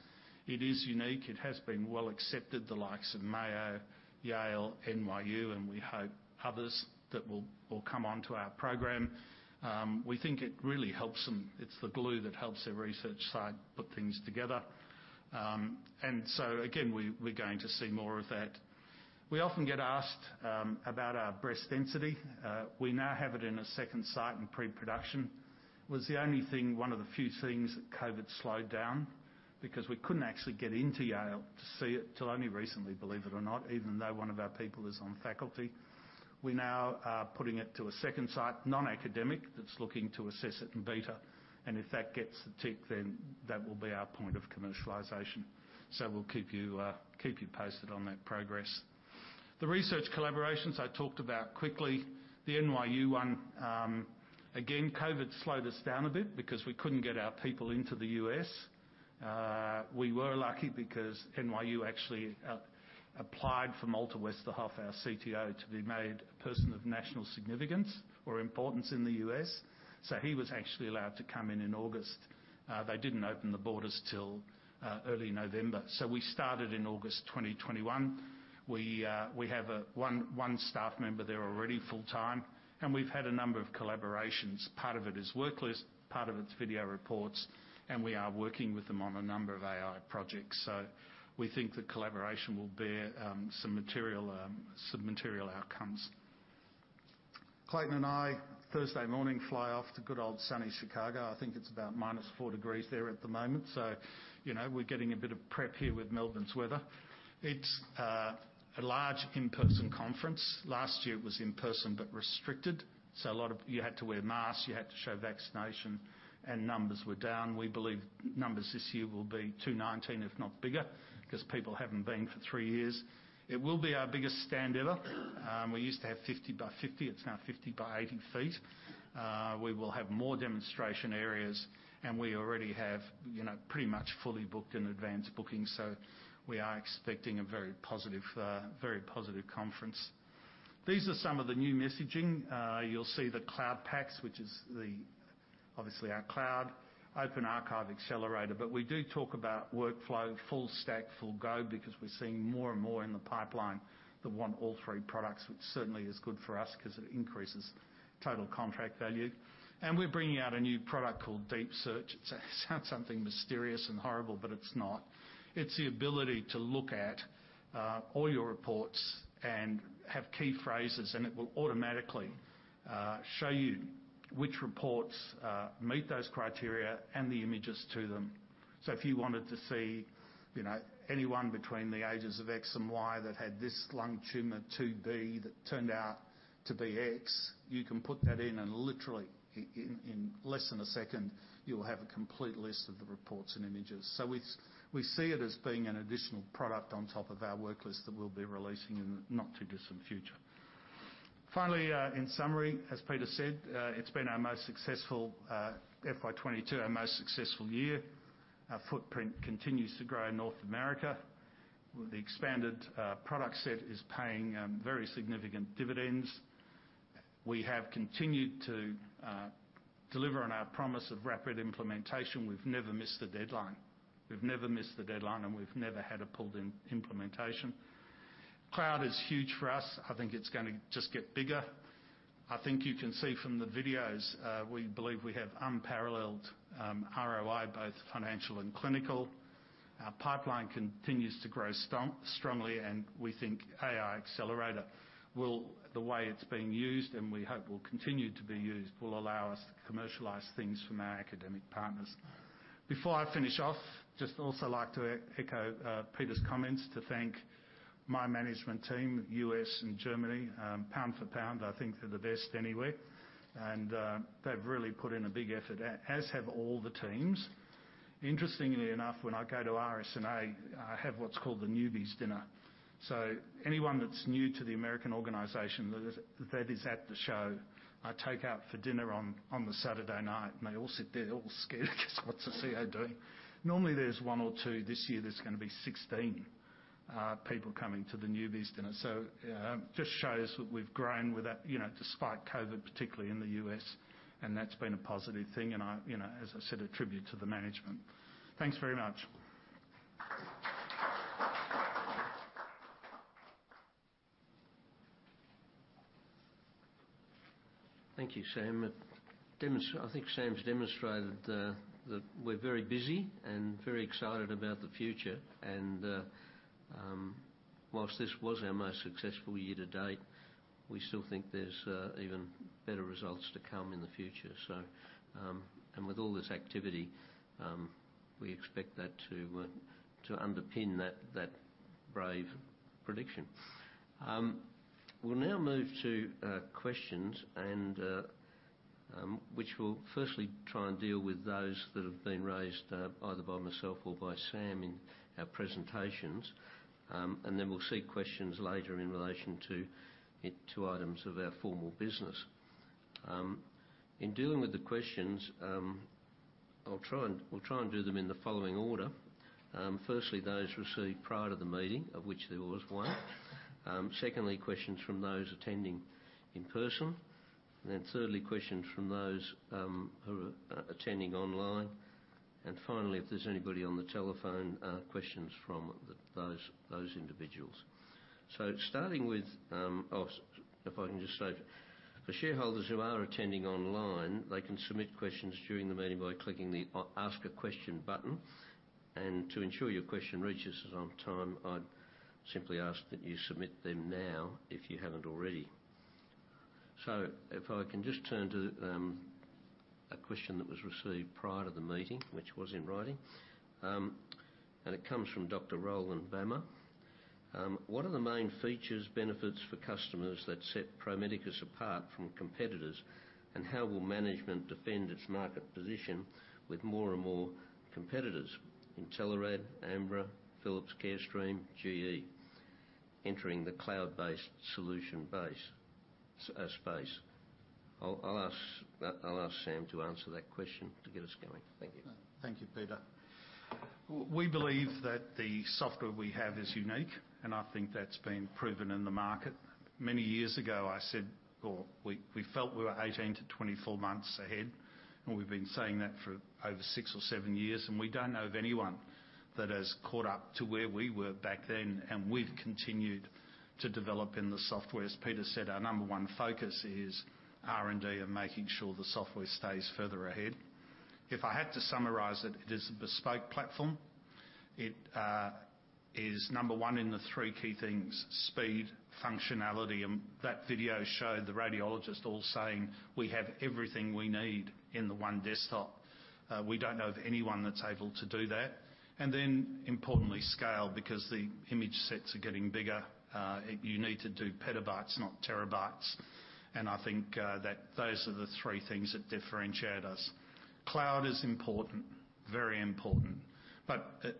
It is unique. It has been well accepted, the likes of Mayo, Yale, NYU, and we hope others that will come onto our program. We think it really helps them. It's the glue that helps their research side put things together. Again, we're going to see more of that. We often get asked about our breast density. We now have it in a second site in pre-production. Was the only thing, one of the few things that COVID slowed down because we couldn't actually get into Yale to see it till only recently, believe it or not, even though one of our people is on faculty. We now are putting it to a second site, non-academic, that's looking to assess it in beta. If that gets the tick, then that will be our point of commercialization. We'll keep you posted on that progress. The research collaborations I talked about quickly, the NYU one, again, COVID slowed us down a bit because we couldn't get our people into the U.S. We were lucky because NYU actually applied for Malte Westerhoff, our CTO, to be made a person of national significance or importance in the U.S. He was actually allowed to come in in August. They didn't open the borders till early November. We started in August 2021. We have one staff member there already full-time, and we've had a number of collaborations. Part of it is worklist, part of it's video reports, and we are working with them on a number of AI projects. We think the collaboration will bear some material outcomes. Clayton and I, Thursday morning, fly off to good old sunny Chicago. I think it's about minus four degrees there at the moment. You know, we're getting a bit of prep here with Melbourne's weather. It's a large in-person conference. Last year, it was in person but restricted, so you had to wear masks, you had to show vaccination, and numbers were down. We believe numbers this year will be 2019, if not bigger, 'cause people haven't been for three years. It will be our biggest stand ever. We used to have 50 by 50. It's now 50 by 80 feet. We will have more demonstration areas, and we already have, you know, pretty much fully booked in advanced bookings. We are expecting a very positive conference. These are some of the new messaging. You'll see the Cloud PACS, which is obviously our cloud, Open Archive, Accelerator. We do talk about workflow, full stack, full go, because we're seeing more and more in the pipeline that want all three products, which certainly is good for us 'cause it increases total contract value. We're bringing out a new product called Deep Search. It sounds something mysterious and horrible, but it's not. It's the ability to look at all your reports and have key phrases, and it will automatically show you which reports meet those criteria and the images to them. If you wanted to see, you know, anyone between the ages of X and Y that had this lung tumor, 2B, that turned out to be X, you can put that in and literally in less than a second, you'll have a complete list of the reports and images. We see it as being an additional product on top of our worklist that we'll be releasing in the not too distant future. Finally, in summary, as Peter Kempen said, it's been our most successful FY 2022, our most successful year. Our footprint continues to grow in North America, where the expanded product set is paying very significant dividends. We have continued to deliver on our promise of rapid implementation. We've never missed a deadline, and we've never had a pulled implementation. Cloud is huge for us. I think it's gonna just get bigger. I think you can see from the videos, we believe we have unparalleled ROI, both financial and clinical. Our pipeline continues to grow strongly, and we think AI Accelerator will, the way it's being used, and we hope will continue to be used, will allow us to commercialize things from our academic partners. Before I finish off, just also like to echo Peter's comments to thank my management team, U.S. and Germany. Pound for pound, I think they're the best anywhere. They've really put in a big effort, as have all the teams. Interestingly enough, when I go to RSNA, I have what's called the newbies dinner. Anyone that's new to the American organization that is at the show, I take out for dinner on the Saturday night, and they all sit there all scared 'cause what's the CEO doing? Normally there's one or two. This year there's gonna be 16 people coming to the newbies dinner. Just shows that we've grown with that, you know, despite COVID, particularly in the U.S., and that's been a positive thing, and I, you know, as I said, attribute to the management. Thanks very much. Thank you, Sam. I think Sam's demonstrated that we're very busy and very excited about the future, and whilst this was our most successful year to date, we still think there's even better results to come in the future. With all this activity, we expect that to underpin that brave prediction. We'll now move to questions, which we'll firstly try and deal with those that have been raised either by myself or by Sam in our presentations. We'll seek questions later in relation to two items of our formal business. In dealing with the questions, we'll try and do them in the following order. Firstly, those received prior to the meeting, of which there was one. Secondly, questions from those attending in person. Thirdly, questions from those who are attending online. Finally, if there's anybody on the telephone, questions from those individuals. If I can just say, for shareholders who are attending online, they can submit questions during the meeting by clicking the Ask a Question button. To ensure your question reaches us on time, I'd simply ask that you submit them now if you haven't already. If I can just turn to a question that was received prior to the meeting, which was in writing, and it comes from Rowland Bama. What are the main features, benefits for customers that set Pro Medicus apart from competitors, and how will management defend its market position with more and more competitors, Intelerad, Ambra, Philips, Carestream, GE, entering the cloud-based solution space? I'll ask Sam to answer that question to get us going. Thank you. Thank you, Peter. We believe that the software we have is unique. I think that's been proven in the market. Many years ago, I said, or we felt we were 18-24 months ahead. We've been saying that for over six or seven years. We don't know of anyone that has caught up to where we were back then. We've continued to develop in the software. As Peter said, our number one focus is R&D and making sure the software stays further ahead. If I had to summarize it is a bespoke platform. It is number one in the three key things, speed, functionality, and that video showed the radiologists all saying, "We have everything we need in the one desktop." We don't know of anyone that's able to do that. Importantly, scale, because the image sets are getting bigger. You need to do petabytes, not terabytes. I think that those are the three things that differentiate us. Cloud is important, very important.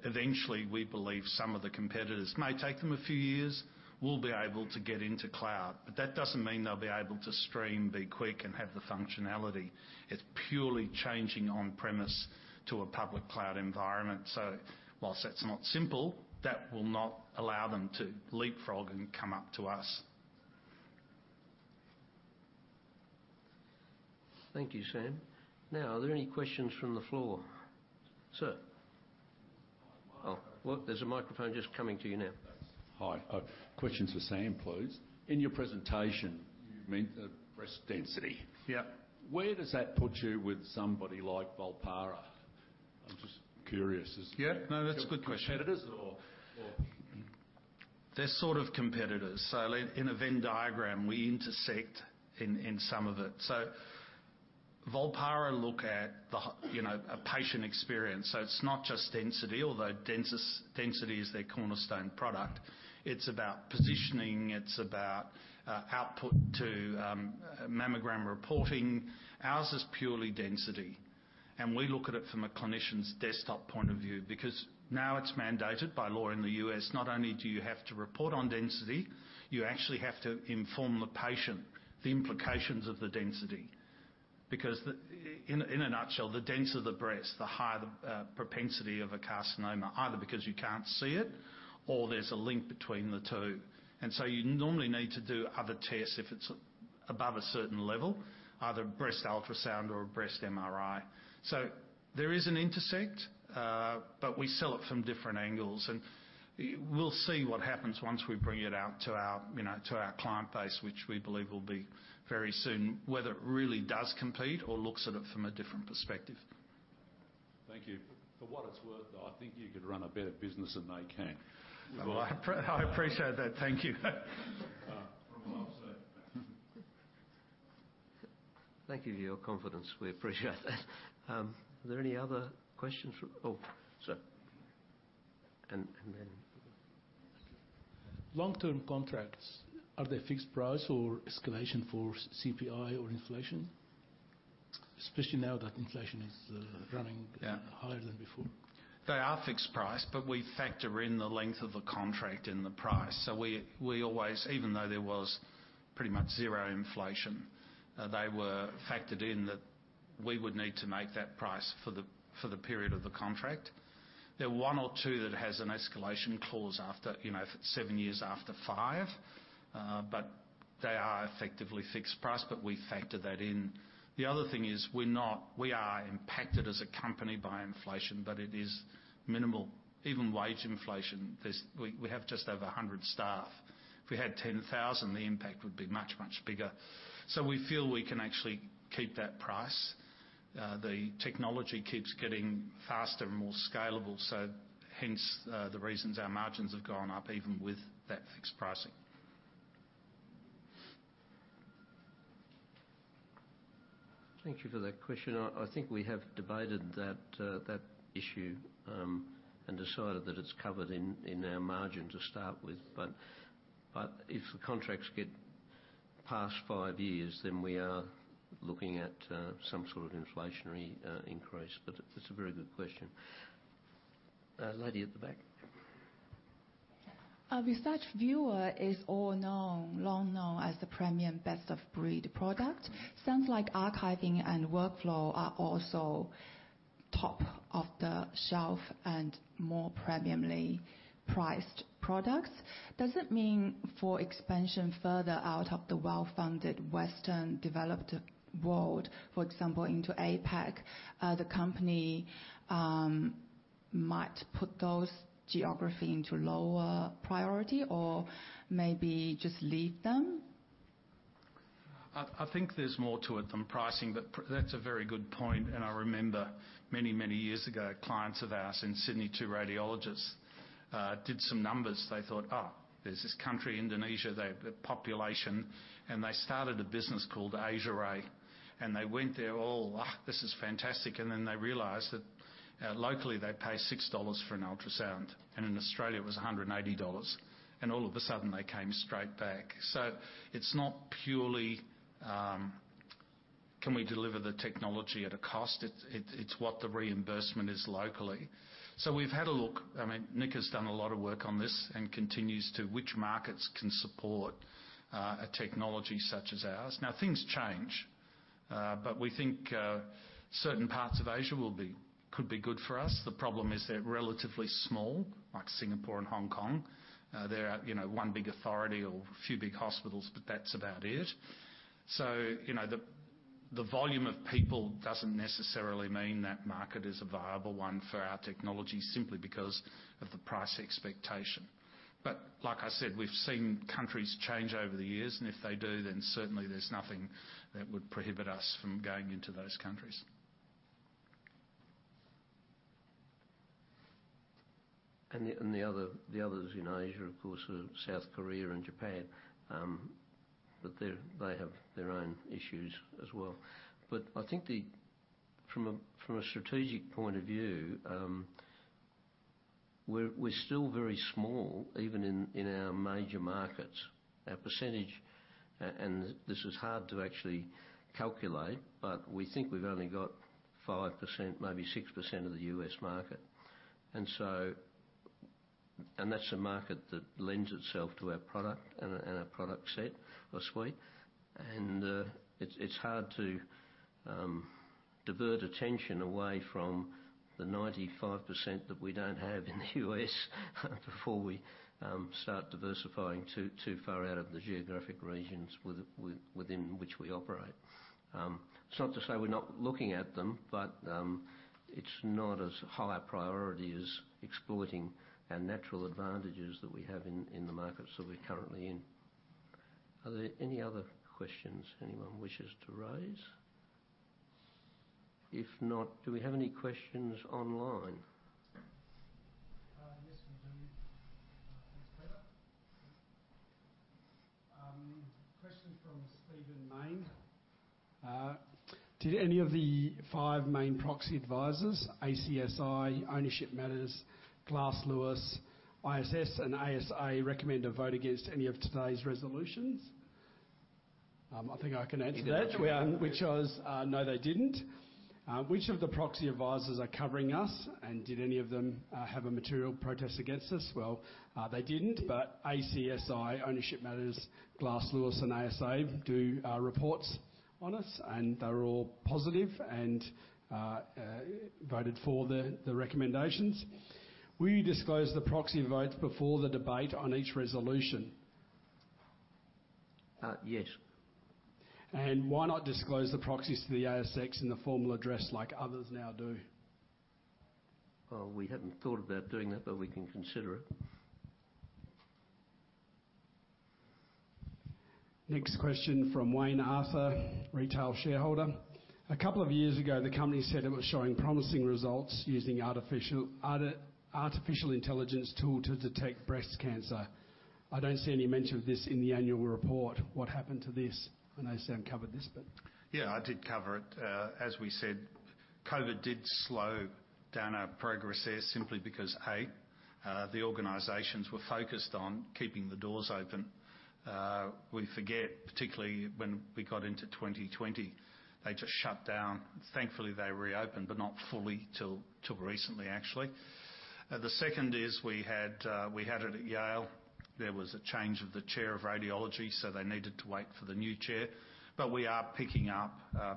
Eventually, we believe some of the competitors, may take them a few years, will be able to get into cloud. That doesn't mean they'll be able to stream, be quick, and have the functionality. It's purely changing on-premise to a public cloud environment. Whilst that's not simple, that will not allow them to leapfrog and come up to us. Thank you, Sam. Now, are there any questions from the floor? Sir. Oh, well, there's a microphone just coming to you now. Hi. Question's for Sam, please. In your presentation, you meant breast density. Yeah. Where does that put you with somebody like Volpara? Yeah. No, that's a good question. Your competitors. They're sort of competitors. In a Venn diagram, we intersect in some of it. Volpara look at, you know, a patient experience. It's not just density, although density is their cornerstone product. It's about positioning. It's about output to mammogram reporting. Ours is purely density, and we look at it from a clinician's desktop point of view because now it's mandated by law in the U.S. Not only do you have to report on density, you actually have to inform the patient the implications of the density. Because in a nutshell, the denser the breast, the higher the propensity of a carcinoma, either because you can't see it or there's a link between the two. You normally need to do other tests if it's above a certain level, either breast ultrasound or a breast MRI. There is an intersect, but we sell it from different angles. We'll see what happens once we bring it out to our, you know, client base, which we believe will be very soon, whether it really does compete or looks at it from a different perspective. Thank you. For what it's worth, I think you could run a better business than they can. Well, I appreciate that. Thank you. From what I've seen. Thank you for your confidence. We appreciate that. Are there any other questions? Oh, sir. Long-term contracts, are they fixed price or escalation for CPI or inflation, especially now that inflation is running? Yeah Higher than before? They are fixed price, but we factor in the length of the contract in the price. We always, even though there was pretty much zero inflation, they were factored in that we would need to make that price for the period of the contract. There are one or two that has an escalation clause after, you know, seven years after five, but they are effectively fixed price, but we factor that in. The other thing is we are impacted as a company by inflation, but it is minimal. Even wage inflation, we have just over 100 staff. If we had 10,000, the impact would be much, much bigger. We feel we can actually keep that price. The technology keeps getting faster and more scalable, so hence the reasons our margins have gone up even with that fixed pricing. Thank you for that question. I think we have debated that issue and decided that it's covered in our margin to start with. If the contracts get past five years, then we are looking at some sort of inflationary increase. It's a very good question. Lady at the back. Visage viewer is well known, long known as the premium best-of-breed product. Sounds like archiving and workflow are also top-of-the-shelf and more premiumly priced products. Does it mean for expansion further out of the well-funded Western developed world, for example, into APAC, the company might put those geography into lower priority or maybe just leave them? I think there's more to it than pricing. That's a very good point. I remember many, many years ago, clients of ours in Sydney, two radiologists, did some numbers. They thought, oh, there's this country, Indonesia, they have a population, and they started a business called Asiaray. They went there, oh, this is fantastic. They realized that locally, they pay 6 dollars for an ultrasound, and in Australia it was 180 dollars. All of a sudden they came straight back. It's not purely, can we deliver the technology at a cost? It's what the reimbursement is locally. We've had a look. I mean, Nick has done a lot of work on this and continues to which markets can support a technology such as ours. Now things change, but we think certain parts of Asia could be good for us. The problem is they're relatively small, like Singapore and Hong Kong. They're, you know, one big authority or a few big hospitals, but that's about it. You know, the volume of people doesn't necessarily mean that market is a viable one for our technology simply because of the price expectation. Like I said, we've seen countries change over the years, and if they do, then certainly there's nothing that would prohibit us from going into those countries. The others in Asia, of course, are South Korea and Japan, but they have their own issues as well. I think from a strategic point of view, we're still very small, even in our major markets. Our percentage, and this is hard to actually calculate, but we think we've only got 5%, maybe 6% of the U.S. market. That's a market that lends itself to our product and our product set or suite. It's hard to divert attention away from the 95% that we don't have in the U.S. before we start diversifying too far out of the geographic regions within which we operate. It's not to say we're not looking at them, but it's not as high a priority as exploiting our natural advantages that we have in the markets that we're currently in. Are there any other questions anyone wishes to raise? If not, do we have any questions online? Yes, we do. Thanks, Peter. Question from Stephen Mayne. Did any of the five main proxy advisors, ACSI, Ownership Matters, Glass Lewis, ISS, and ASA recommend a vote against any of today's resolutions? I think I can answer that. You can. No, they didn't. Which of the proxy advisors are covering us, and did any of them have a material protest against us? Well, they didn't, but ACSI, Ownership Matters, Glass Lewis, and ASA do reports on us, and they're all positive and voted for the recommendations. Will you disclose the proxy votes before the debate on each resolution? Yes. Why not disclose the proxies to the ASX in the formal address like others now do? Well, we haven't thought about doing that, but we can consider it. Next question from Wayne Arthur, Retail Shareholder. A couple of years ago, the company said it was showing promising results using artificial intelligence tool to detect breast cancer. I don't see any mention of this in the annual report. What happened to this? I know Sam covered this. Yeah, I did cover it. As we said, COVID did slow down our progress there simply because, A, the organizations were focused on keeping the doors open. We forget, particularly when we got into 2020, they just shut down. Thankfully, they reopened, but not fully till recently, actually. The second is we had it at Yale. There was a change of the chair of radiology, so they needed to wait for the new chair. We are picking up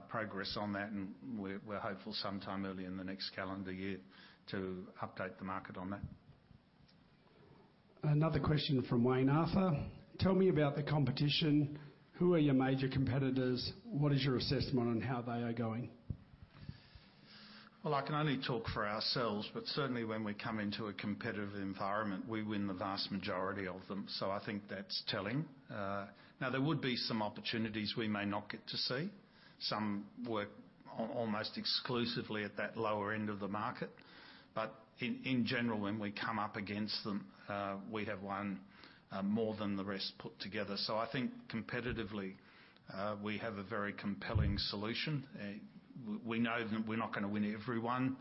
progress on that, and we're hopeful sometime early in the next calendar year to update the market on that. Another question from Wayne Arthur. Tell me about the competition. Who are your major competitors? What is your assessment on how they are going? Well, I can only talk for ourselves, but certainly when we come into a competitive environment, we win the vast majority of them. I think that's telling. Now there would be some opportunities we may not get to see. Some work almost exclusively at that lower end of the market. In general, when we come up against them, we have won more than the rest put together. I think competitively, we have a very compelling solution. We know that we're not gonna win every one.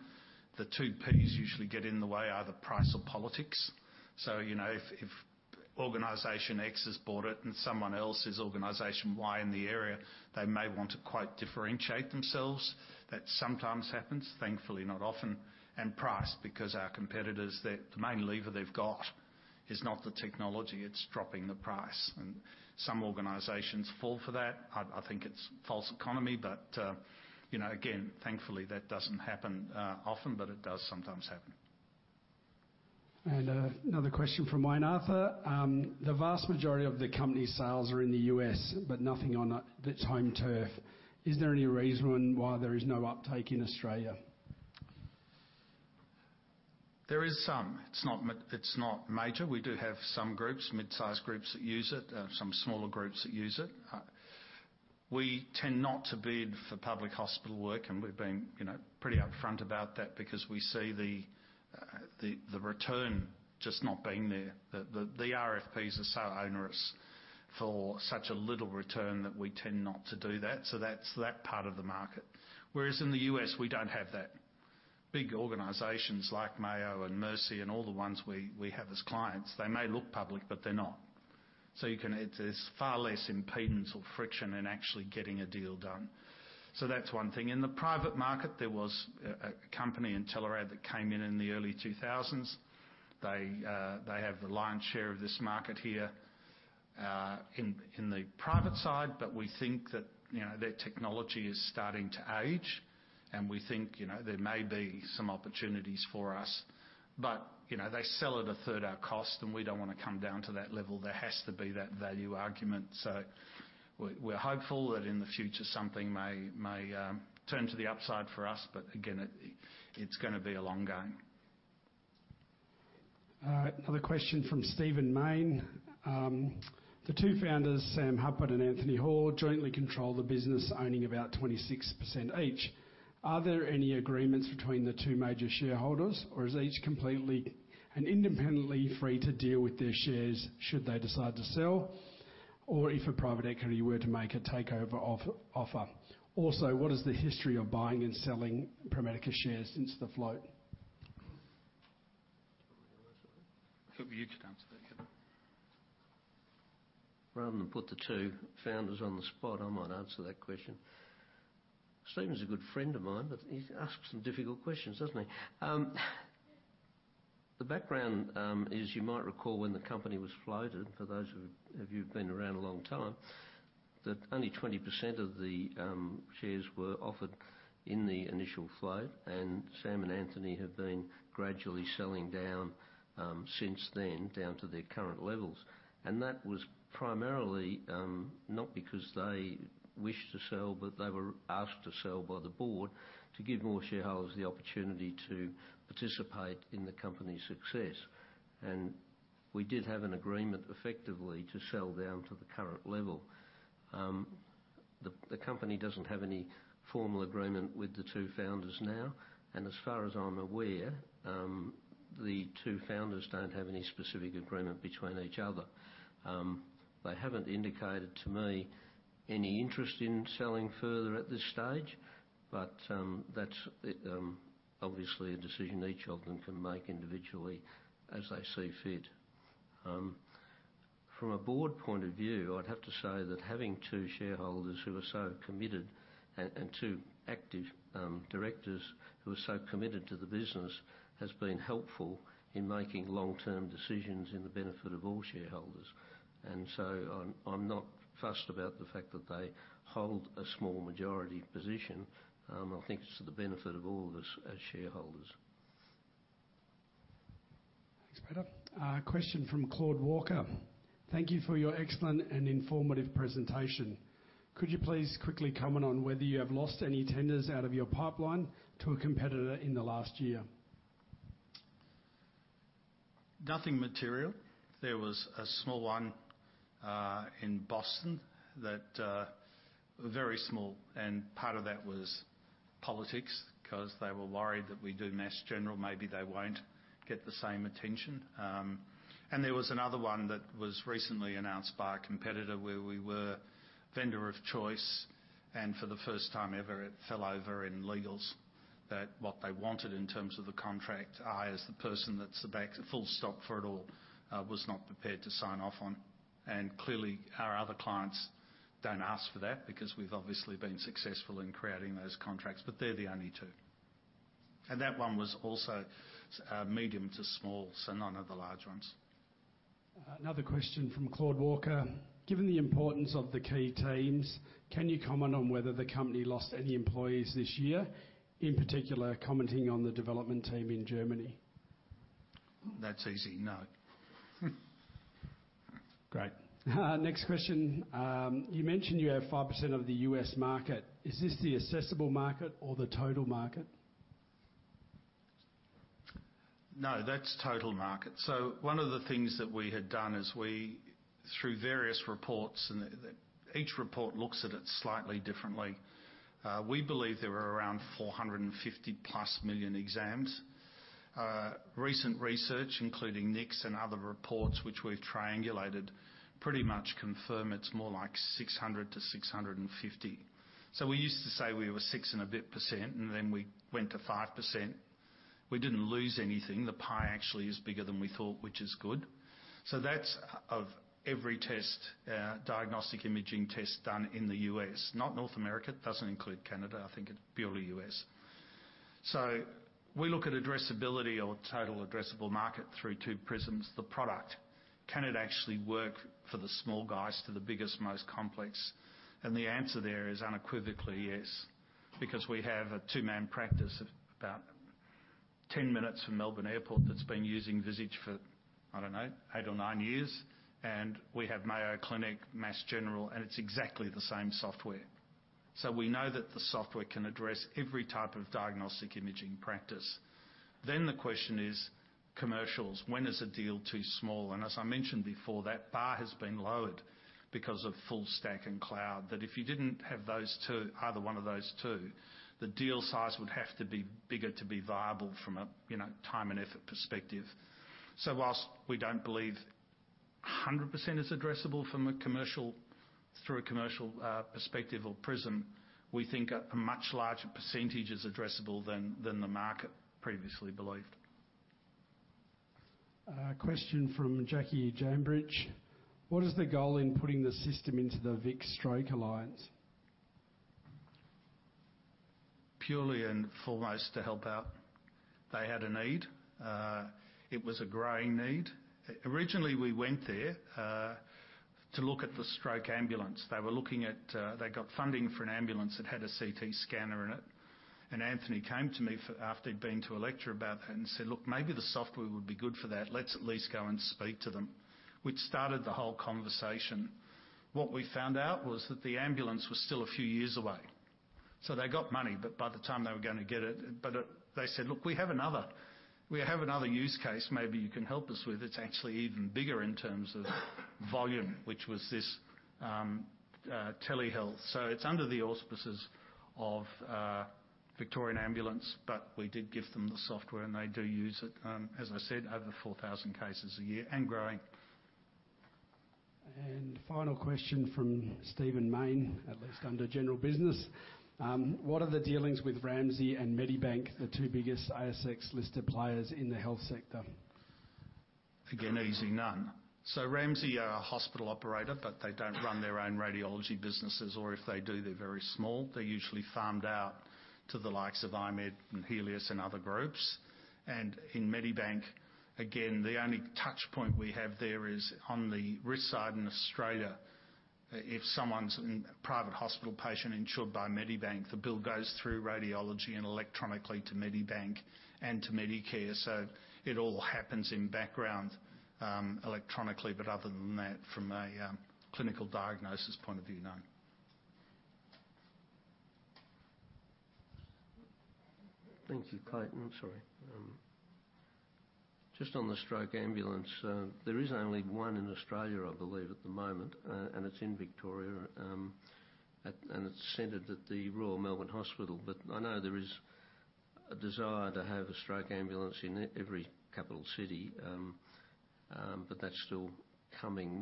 The two Ps usually get in the way are the price or politics. You know, if Organization X has bought it and someone else is Organization Y in the area, they may want to quite differentiate themselves. That sometimes happens, thankfully not often. Price, because our competitors, the main lever they've got is not the technology, it's dropping the price. Some organizations fall for that. I think it's false economy, but, you know, again, thankfully, that doesn't happen often, but it does sometimes happen. Another question from Wayne Arthur. The vast majority of the company's sales are in the U.S., but nothing on its home turf. Is there any reason why there is no uptake in Australia? There is some. It's not major. We do have some groups, mid-sized groups that use it, some smaller groups that use it. We tend not to bid for public hospital work, and we've been, you know, pretty upfront about that because we see the return just not being there. The RFPs are so onerous for such a little return that we tend not to do that. That's that part of the market. Whereas in the U.S., we don't have that. Big organizations like Mayo and Mercy and all the ones we have as clients, they may look public, but they're not. There's far less impedance or friction in actually getting a deal done. That's one thing. In the private market, there was a company Intelerad that came in in the early 2000s. They have the lion's share of this market here in the private side, but we think that, you know, their technology is starting to age, and we think, you know, there may be some opportunities for us. You know, they sell at 1/3 our cost, and we don't wanna come down to that level. There has to be that value argument. We're hopeful that in the future, something may turn to the upside for us. Again, it's gonna be a long game. All right. Another question from Stephen Mayne. The two founders, Sam Hupert and Anthony Hall, jointly control the business, owning about 26% each. Are there any agreements between the two major shareholders, or is each completely and independently free to deal with their shares should they decide to sell or if a private equity were to make a takeover offer? Also, what is the history of buying and selling Pro Medicus shares since the float? I thought you could answer that, Peter Kempen. Rather than put the two founders on the spot, I might answer that question. Stephen's a good friend of mine, but he asks some difficult questions, doesn't he? The background is you might recall when the company was floated, for those of you who've been around a long time, that only 20% of the shares were offered in the initial float, and Sam and Anthony have been gradually selling down since then, down to their current levels. That was primarily. Not because they wish to sell, but they were asked to sell by the board to give more shareholders the opportunity to participate in the company's success. We did have an agreement effectively to sell down to the current level. The company doesn't have any formal agreement with the two founders now, and as far as I'm aware, the two founders don't have any specific agreement between each other. They haven't indicated to me any interest in selling further at this stage, but that's obviously a decision each of them can make individually as they see fit. From a board point of view, I'd have to say that having two shareholders who are so committed and two active directors who are so committed to the business has been helpful in making long-term decisions in the benefit of all shareholders. I'm not fussed about the fact that they hold a small majority position. I think it's for the benefit of all of us as shareholders. Thanks, Peter. Question from Claude Walker. Thank you for your excellent and informative presentation. Could you please quickly comment on whether you have lost any tenders out of your pipeline to a competitor in the last year? Nothing material. There was a small one in Boston, very small and part of that was politics 'cause they were worried that we do Mass General, maybe they won't get the same attention. There was another one that was recently announced by a competitor where we were vendor of choice, and for the first time ever, it fell over in legals that what they wanted in terms of the contract, I, as the person that's the back, full stop for it all, was not prepared to sign off on. Clearly, our other clients don't ask for that because we've obviously been successful in creating those contracts, but they're the only two. That one was also medium to small, so none of the large ones. Another question from Claude Walker. Given the importance of the key teams, can you comment on whether the company lost any employees this year, in particular, commenting on the development team in Germany? That's easy. No. Great. Next question. You mentioned you have 5% of the U.S. market. Is this the assessable market or the total market? No, that's total market. One of the things that we had done is, through various reports and each report looks at it slightly differently, we believe there are around 450+ million exams. Recent research, including Nick's and other reports which we've triangulated, pretty much confirm it's more like 600-650. We used to say we were 6 and a bit %, and then we went to 5%. We didn't lose anything. The pie actually is bigger than we thought, which is good. That's of every test, diagnostic imaging test done in the U.S., not North America. It doesn't include Canada. I think it's purely U.S. We look at addressability or total addressable market through two prisms. The product, can it actually work for the small guys to the biggest, most complex? The answer there is unequivocally yes, because we have a two-man practice about 10 minutes from Melbourne Airport that's been using Visage for, I don't know, eight or nine years. We have Mayo Clinic, Mass General, and it's exactly the same software. We know that the software can address every type of diagnostic imaging practice. The question is commercials. When is a deal too small? As I mentioned before, that bar has been lowered because of full stack and cloud, that if you didn't have those two, either one of those two, the deal size would have to be bigger to be viable from a, you know, time and effort perspective. Whilst we don't believe 100% is addressable through a commercial perspective or prism, we think a much larger percentage is addressable than the market previously believed. Question from Jackie Jambridge. What is the goal in putting the system into the Vic Stroke Alliance? First and foremost, to help out. They had a need. It was a growing need. Originally, we went there to look at the stroke ambulance. They got funding for an ambulance that had a C.T. scanner in it. Anthony came to me after he'd been to a lecture about that and said, "Look, maybe the software would be good for that. Let's at least go and speak to them," which started the whole conversation. What we found out was that the ambulance was still a few years away. They got money, they said, "Look, we have another use case maybe you can help us with. It's actually even bigger in terms of volume," which was this telehealth. It's under the auspices of Victorian Ambulance, but we did give them the software, and they do use it, as I said, over 4,000 cases a year and growing. Final question from Stephen Mayne, at least under general business. What are the dealings with Ramsay and Medibank, the two biggest ASX-listed players in the health sector? Again, easy, none. Ramsay are a hospital operator, but they don't run their own radiology businesses, or if they do, they're very small. They're usually farmed out to the likes of I-MED and Healius and other groups. In Medibank, again, the only touch point we have there is on the RIS side in Australia. If someone's in private hospital patient insured by Medibank, the bill goes through radiology and electronically to Medibank and to Medicare. It all happens in background electronically. Other than that, from a clinical diagnosis point of view, no. Thank you, Clayton. Sorry. Just on the stroke ambulance, there is only one in Australia, I believe, at the moment, and it's in Victoria. It's centered at the Royal Melbourne Hospital. I know there is a desire to have a stroke ambulance in every capital city, but that's still coming.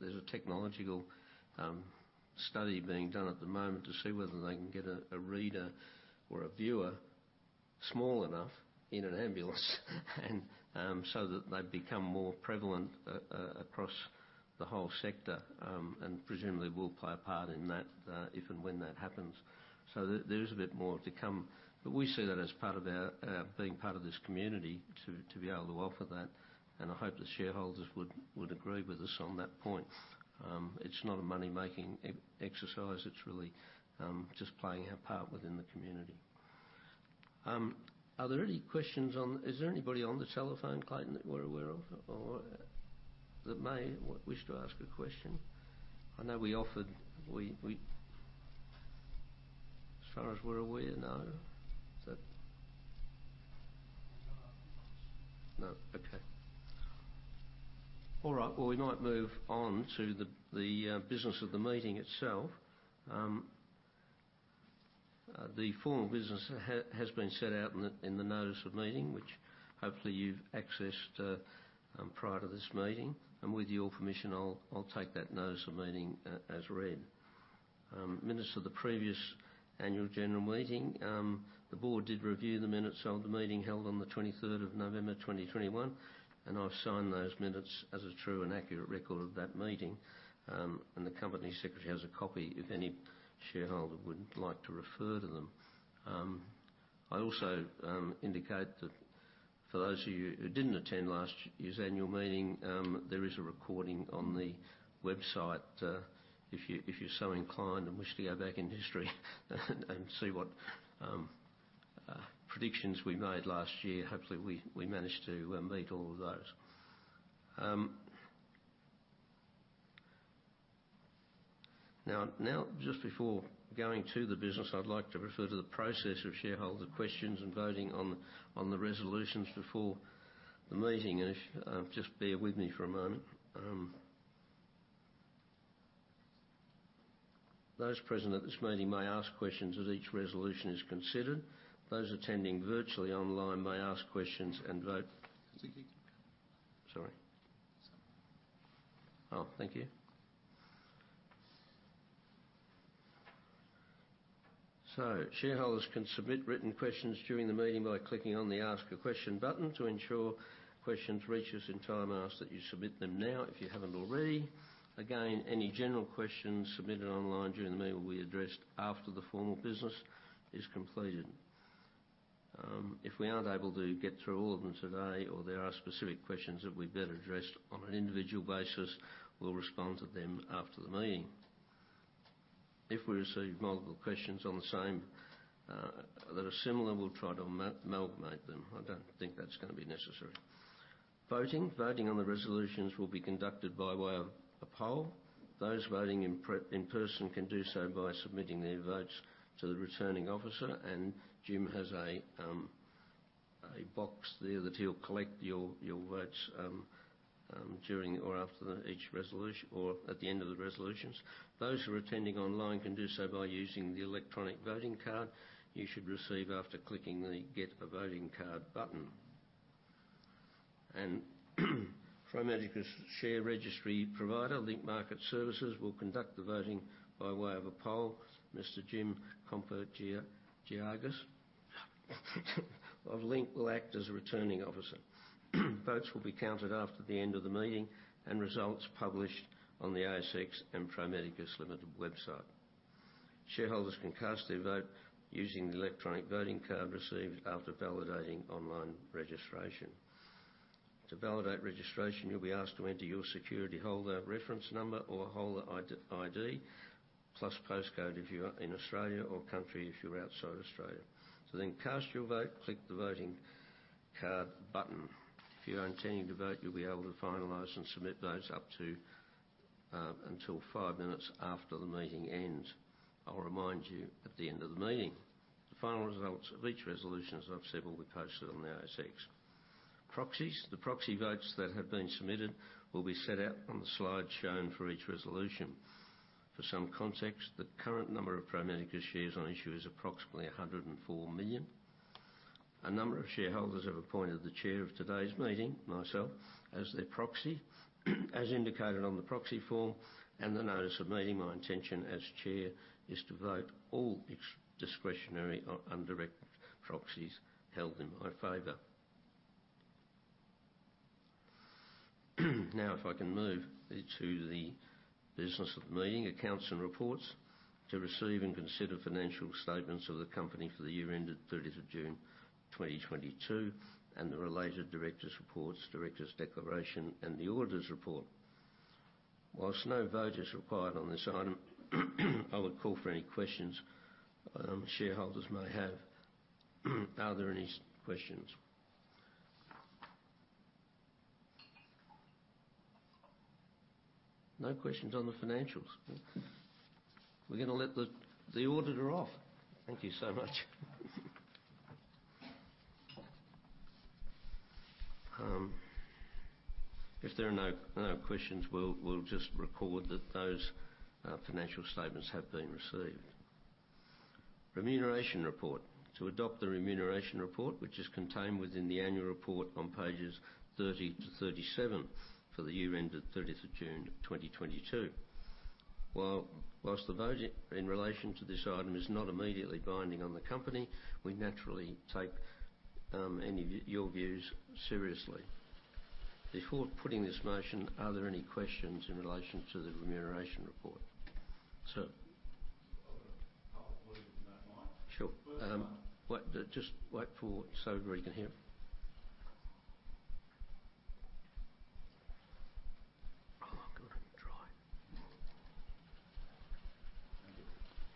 There's a technological study being done at the moment to see whether they can get a reader or a viewer small enough in an ambulance, and so that they become more prevalent across the whole sector. Presumably we'll play a part in that, if and when that happens. There is a bit more to come. We see that as part of our being part of this community to be able to offer that, and I hope the shareholders would agree with us on that point. It's not a money-making exercise. It's really just playing our part within the community. Is there anybody on the telephone, Clayton, that we're aware of, or that may wish to ask a question? As far as we're aware, no. There's no hands. No. Okay. All right. Well, we might move on to the business of the meeting itself. The formal business has been set out in the notice of meeting, which hopefully you've accessed prior to this meeting. With your permission, I'll take that notice of meeting as read. Minutes of the previous annual general meeting, the board did review the minutes of the meeting held on the 23rd of November 2021, and I've signed those minutes as a true and accurate record of that meeting. The Company Secretary has a copy if any shareholder would like to refer to them. I also indicate that for those of you who didn't attend last year's annual meeting, there is a recording on the website if you're so inclined and wish to go back in history and see what predictions we made last year. Hopefully we managed to meet all of those. Now just before going to the business, I'd like to refer to the process of shareholder questions and voting on the resolutions before the meeting. Just bear with me for a moment. Those present at this meeting may ask questions as each resolution is considered. Those attending virtually online may ask questions and vote. I think you can go. Sorry. It's okay. Oh, thank you. Shareholders can submit written questions during the meeting by clicking on the Ask a Question button. To ensure questions reach us in time, I ask that you submit them now if you haven't already. Again, any general questions submitted online during the meeting will be addressed after the formal business is completed. If we aren't able to get through all of them today or there are specific questions that we better address on an individual basis, we'll respond to them after the meeting. If we receive multiple questions that are similar, we'll try to amalgamate them. I don't think that's gonna be necessary. Voting on the resolutions will be conducted by way of a poll. Those voting in person can do so by submitting their votes to the Returning Officer. Jim has a box there that he'll collect your votes at the end of the resolutions. Those who are attending online can do so by using the electronic voting card you should receive after clicking the Get a Voting Card button. Pro Medicus share registry provider, Link Market Services, will conduct the voting by way of a poll. Mr. Jim Kompogiorgas of Link will act as Returning Officer. Votes will be counted after the end of the meeting and results published on the ASX and Pro Medicus Limited website. Shareholders can cast their vote using the electronic voting card received after validating online registration. To validate registration, you'll be asked to enter your security holder reference number or holder ID, plus postcode if you're in Australia or country if you're outside Australia. To then cast your vote, click the Voting Card button. If you are intending to vote, you'll be able to finalize and submit votes until five minutes after the meeting ends. I'll remind you at the end of the meeting. The final results of each resolution, as I've said, will be posted on the ASX. Proxies. The proxy votes that have been submitted will be set out on the slide shown for each resolution. For some context, the current number of Pro Medicus shares on issue is approximately 104 million. A number of shareholders have appointed the Chair of today's meeting, myself, as their proxy, as indicated on the proxy form and the notice of meeting. My intention as Chair is to vote all discretionary or undirected proxies held in my favor. Now, if I can move to the business of the meeting, accounts and reports. To receive and consider financial statements of the company for the year ended 30 of June, 2022, and the related directors' reports, directors' declaration, and the auditors' report. Whilst no vote is required on this item, I would call for any questions shareholders may have. Are there any questions? No questions on the financials. We're gonna let the auditor off. Thank you so much. If there are no questions, we'll just record that those financial statements have been received. Remuneration report. To adopt the remuneration report, which is contained within the annual report on pages 30-37 for the year ended 30th of June, 2022. Whilst the vote in relation to this item is not immediately binding on the company, we naturally take any of your views seriously. Before putting this motion, are there any questions in relation to the remuneration report? Sir. I've got a couple, if you don't mind. Sure. First one. Wait. Just wait so everybody can hear. Oh, God, dry.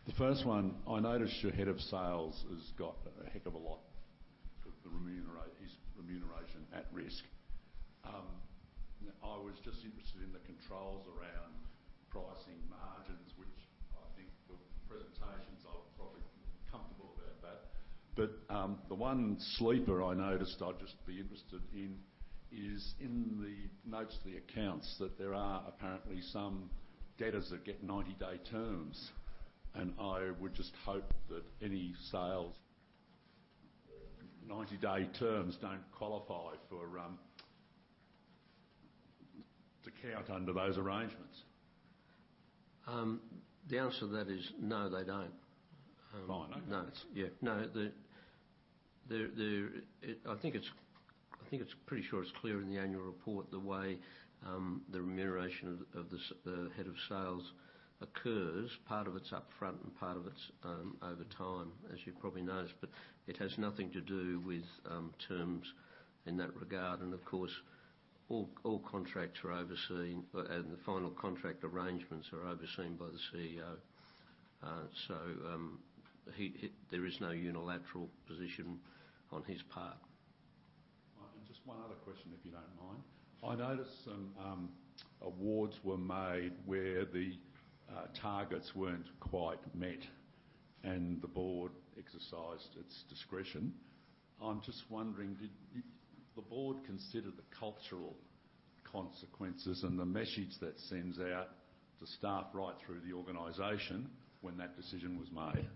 The first one, I noticed your head of sales has got a heck of a lot of his remuneration at risk. I was just interested in the controls around pricing margins, which I think from the presentations I'm probably comfortable about that. But the one sleeper I noticed I'd just be interested in is in the notes of the accounts that there are apparently some debtors that get 90-day terms. And I would just hope that any sales 90-day terms don't qualify to count under those arrangements. The answer to that is no, they don't. Fine, okay. No. Yeah. No. I think it's pretty sure it's clear in the annual report the way the remuneration of the Head of Sales occurs. Part of it's upfront and part of it's over time, as you probably noticed. It has nothing to do with terms in that regard. Of course, all contracts are overseen and the final contract arrangements are overseen by the CEO. There is no unilateral position on his part. Just one other question, if you don't mind. Of course. I noticed some awards were made where the targets weren't quite met, and the Board exercised its discretion. I'm just wondering, did the Board consider the cultural consequences and the message that sends out to staff right through the organization when that decision was made?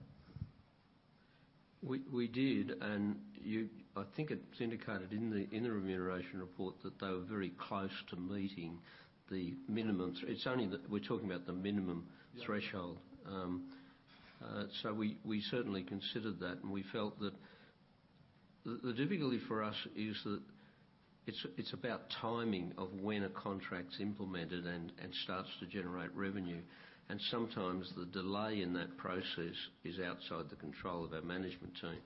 We did. I think it's indicated in the remuneration report that they were very close to meeting the minimum. It's only that we're talking about the minimum. Yeah Threshold. We certainly considered that, and we felt that the difficulty for us is that it's about timing of when a contract's implemented and starts to generate revenue. Sometimes the delay in that process is outside the control of our management team.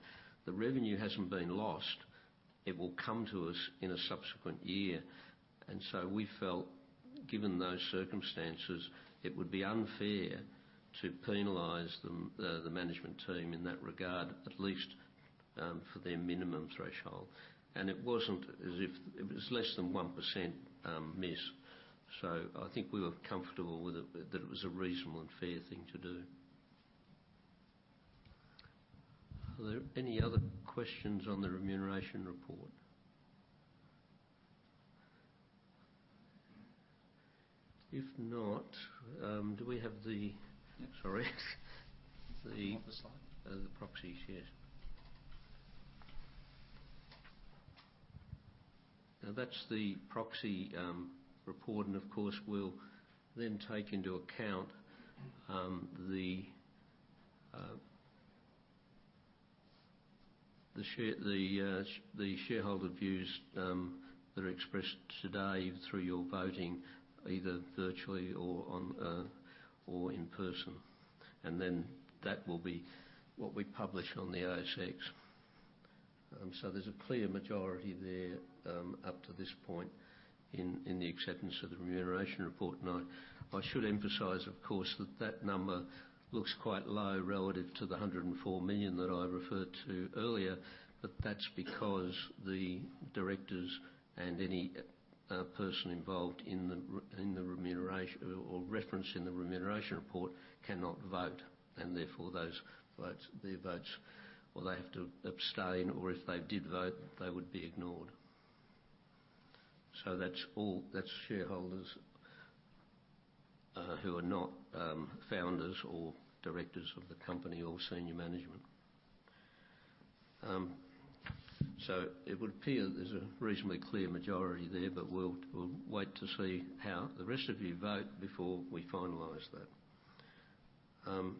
The revenue hasn't been lost. It will come to us in a subsequent year. We felt, given those circumstances, it would be unfair to penalize the management team in that regard, at least for their minimum threshold. It was less than 1% miss. I think we were comfortable with it, that it was a reasonable and fair thing to do. Are there any other questions on the Remuneration Report? If not. Yeah. Sorry. You want the slide? The proxies. Yes. Now, that's the proxy report, and of course we'll then take into account the shareholder views that are expressed today through your voting, either virtually or in person. That will be what we publish on the ASX. There's a clear majority there up to this point in the acceptance of the remuneration report. I should emphasize, of course, that that number looks quite low relative to the 104 million that I referred to earlier, but that's because the directors and any person involved in or referenced in the remuneration report cannot vote, and therefore their votes, well, they have to abstain, or if they did vote, they would be ignored. That's all, that's shareholders who are not founders or directors of the company or senior management. It would appear there's a reasonably clear majority there, but we'll wait to see how the rest of you vote before we finalize that.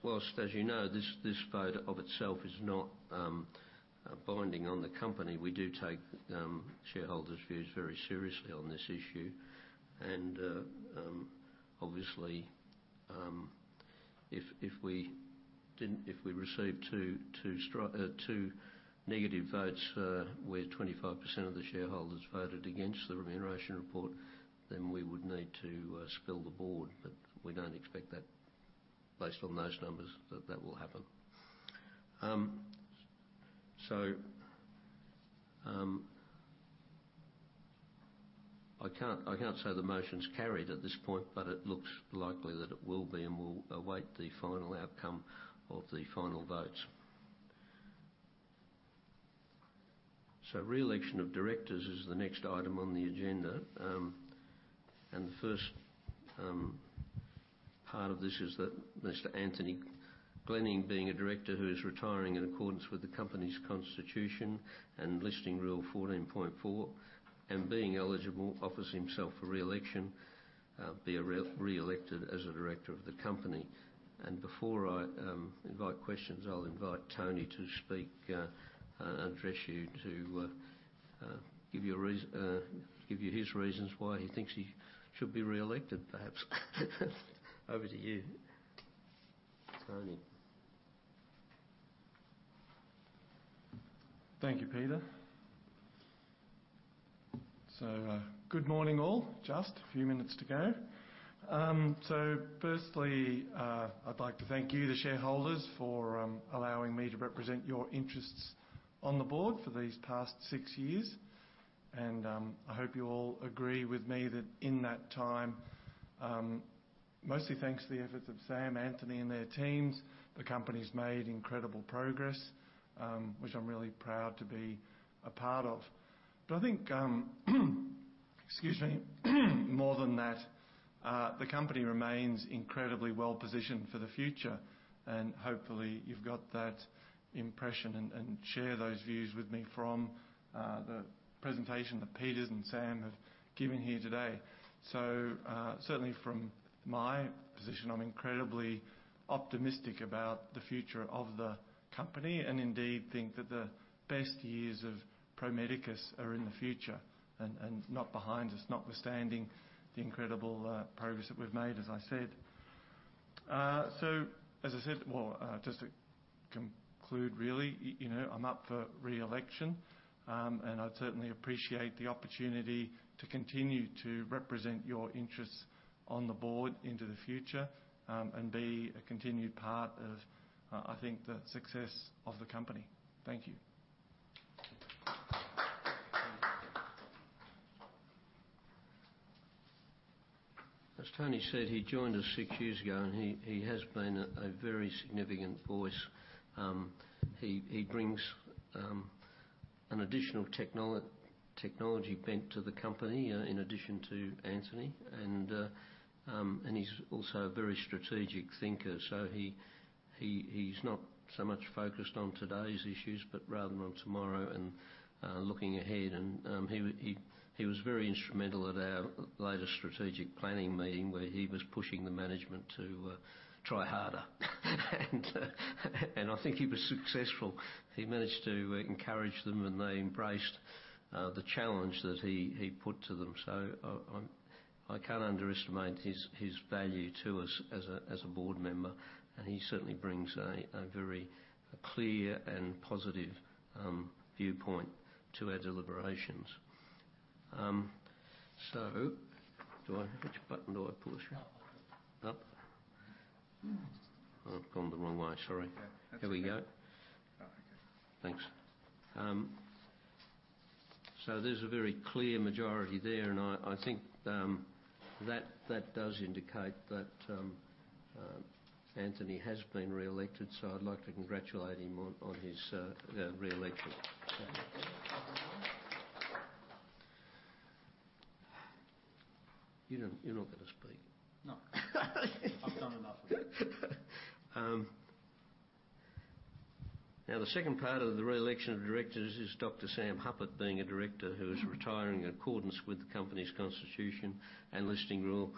Whilst as you know, this vote of itself is not binding on the company. We do take shareholders' views very seriously on this issue. Obviously, if we received two negative votes where 25% of the shareholders voted against the remuneration report, then we would need to spill the board. We don't expect that, based on those numbers, that that will happen. I can't say the motion's carried at this point, but it looks likely that it will be, and we'll await the final outcome of the final votes. Re-election of directors is the next item on the agenda. The first part of this is that Mr. Anthony Glenning, being a Director who is retiring in accordance with the company's constitution and Listing Rule 14.4, and being eligible, offers himself for re-election, be re-elected as a Director of the company. Before I invite questions, I'll invite Tony to speak and address you to give you his reasons why he thinks he should be re-elected, perhaps. Over to you, Tony. Thank you, Peter. Good morning, all. Just a few minutes to go. Firstly, I'd like to thank you, the shareholders, for allowing me to represent your interests on the board for these past six years. I hope you all agree with me that in that time, mostly thanks to the efforts of Sam, Anthony, and their teams, the company's made incredible progress, which I'm really proud to be a part of. I think, excuse me, more than that, the company remains incredibly well-positioned for the future, and hopefully you've got that impression and share those views with me from the presentation that Peter and Sam have given here today. Certainly from my position, I'm incredibly optimistic about the future of the company and indeed think that the best years of Pro Medicus are in the future and not behind us, notwithstanding the incredible progress that we've made, as I said. Well, just to conclude really, you know, I'm up for re-election. I'd certainly appreciate the opportunity to continue to represent your interests on the board into the future and be a continued part of, I think, the success of the company. Thank you. As Tony said, he joined us six years ago, and he has been a very significant voice. He brings an additional technology bent to the company in addition to Anthony. He's also a very strategic thinker. He's not so much focused on today's issues, but rather on tomorrow and looking ahead. He was very instrumental at our latest strategic planning meeting where he was pushing the management to try harder. I think he was successful. He managed to encourage them, and they embraced the challenge that he put to them. I can't underestimate his value to us as a Board Member, and he certainly brings a very clear and positive viewpoint to our deliberations. Do I. Which button do I push? Up. Up? I've gone the wrong way. Sorry. Yeah. That's okay. Here we go. Oh, okay. Thanks. There's a very clear majority there, and I think that does indicate that Anthony has been re-elected, so I'd like to congratulate him on his re-election. You're not gonna speak. No. I've done enough. Now, the second part of the re-election of directors is Dr. Sam Hupert. Being a director who is retiring in accordance with the company's constitution and Listing Rule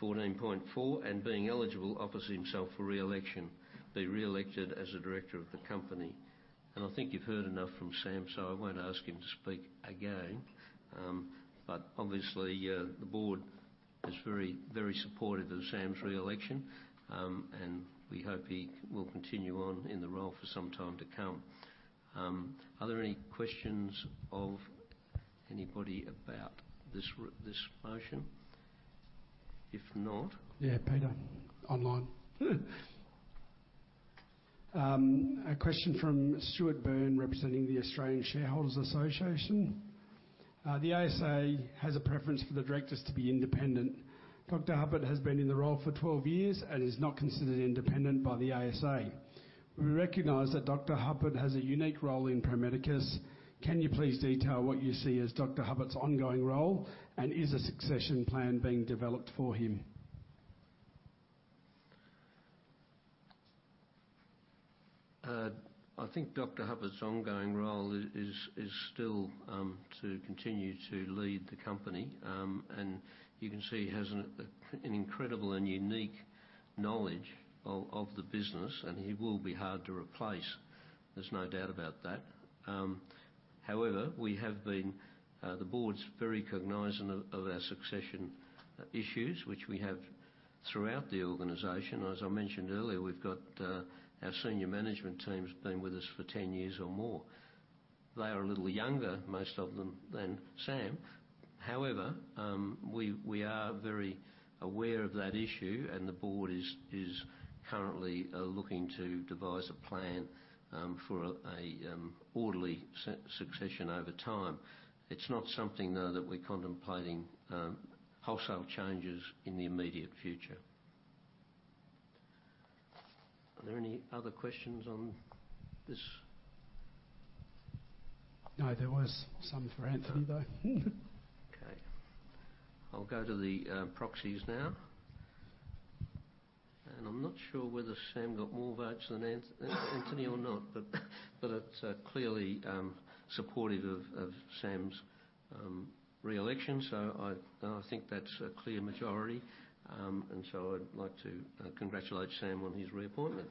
14.4, and being eligible, offers himself for re-election, be re-elected as a director of the company. I think you've heard enough from Sam, so I won't ask him to speak again. Obviously, the board is very supportive of Sam's re-election, and we hope he will continue on in the role for some time to come. Are there any questions of anybody about this motion? Yeah, Peter. Online. A question from Stewart Burn, representing the Australian Shareholders' Association. The ASA has a preference for the directors to be independent. Dr. Hupert has been in the role for 12 years and is not considered independent by the ASA. We recognize that Dr. Hupert has a unique role in Pro Medicus. Can you please detail what you see as Dr. Hupert's ongoing role, and is a succession plan being developed for him? I think Sam Hupert's ongoing role is still to continue to lead the company. You can see he has an incredible and unique knowledge of the business, and he will be hard to replace. There's no doubt about that. However, the board's very cognizant of our succession issues which we have throughout the organization. As I mentioned earlier, our senior management team's been with us for 10 years or more. They are a little younger, most of them, than Sam. However, we are very aware of that issue, and the board is currently looking to devise a plan for an orderly succession over time. It's not something though that we're contemplating wholesale changes in the immediate future. Are there any other questions on this? No, there was some for Anthony, though. Okay. I'll go to the proxies now. I'm not sure whether Sam got more votes than Anthony or not, but it's clearly supportive of Sam's re-election. I think that's a clear majority. I'd like to congratulate Sam on his reappointment.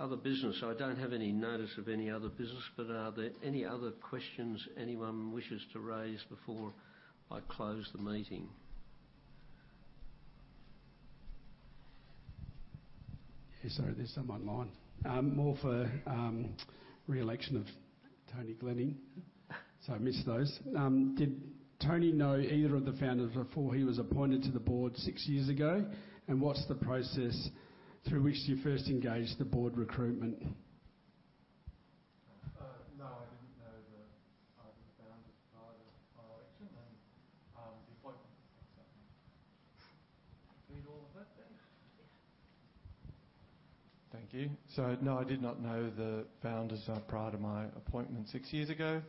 Other business. I don't have any notice of any other business, but are there any other questions anyone wishes to raise before I close the meeting? Yes, sir. There's some online, more for re-election of Anthony Glenning. I missed those. Did Tony know either of the founders before he was appointed to the board six years ago? What's the process through which you first engaged the board recruitment? No, I didn't know either of the founders prior to my appointment six years ago.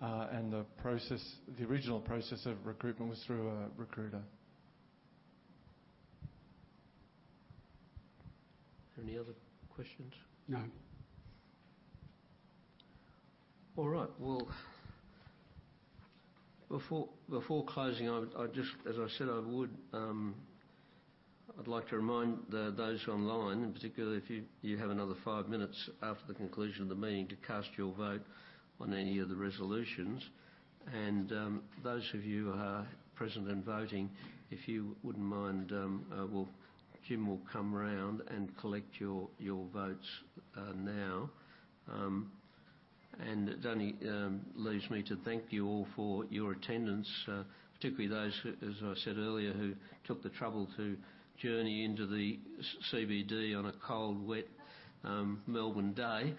The original process of recruitment was through a recruiter. Any other questions? No. All right. Well, before closing, as I said I would, I'd like to remind those who are online, and particularly if you have another 5 minutes after the conclusion of the meeting to cast your vote on any of the resolutions. Those of you who are present and voting, if you wouldn't mind, well, Jim will come around and collect your votes now. It only leaves me to thank you all for your attendance, particularly those who, as I said earlier, who took the trouble to journey into the CBD on a cold, wet Melbourne day.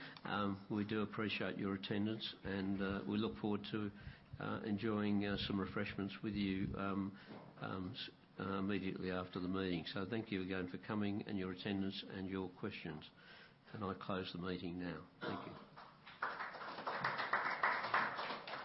We do appreciate your attendance, and we look forward to enjoying some refreshments with you immediately after the meeting. Thank you again for coming and your attendance and your questions. I close the meeting now. Thank you.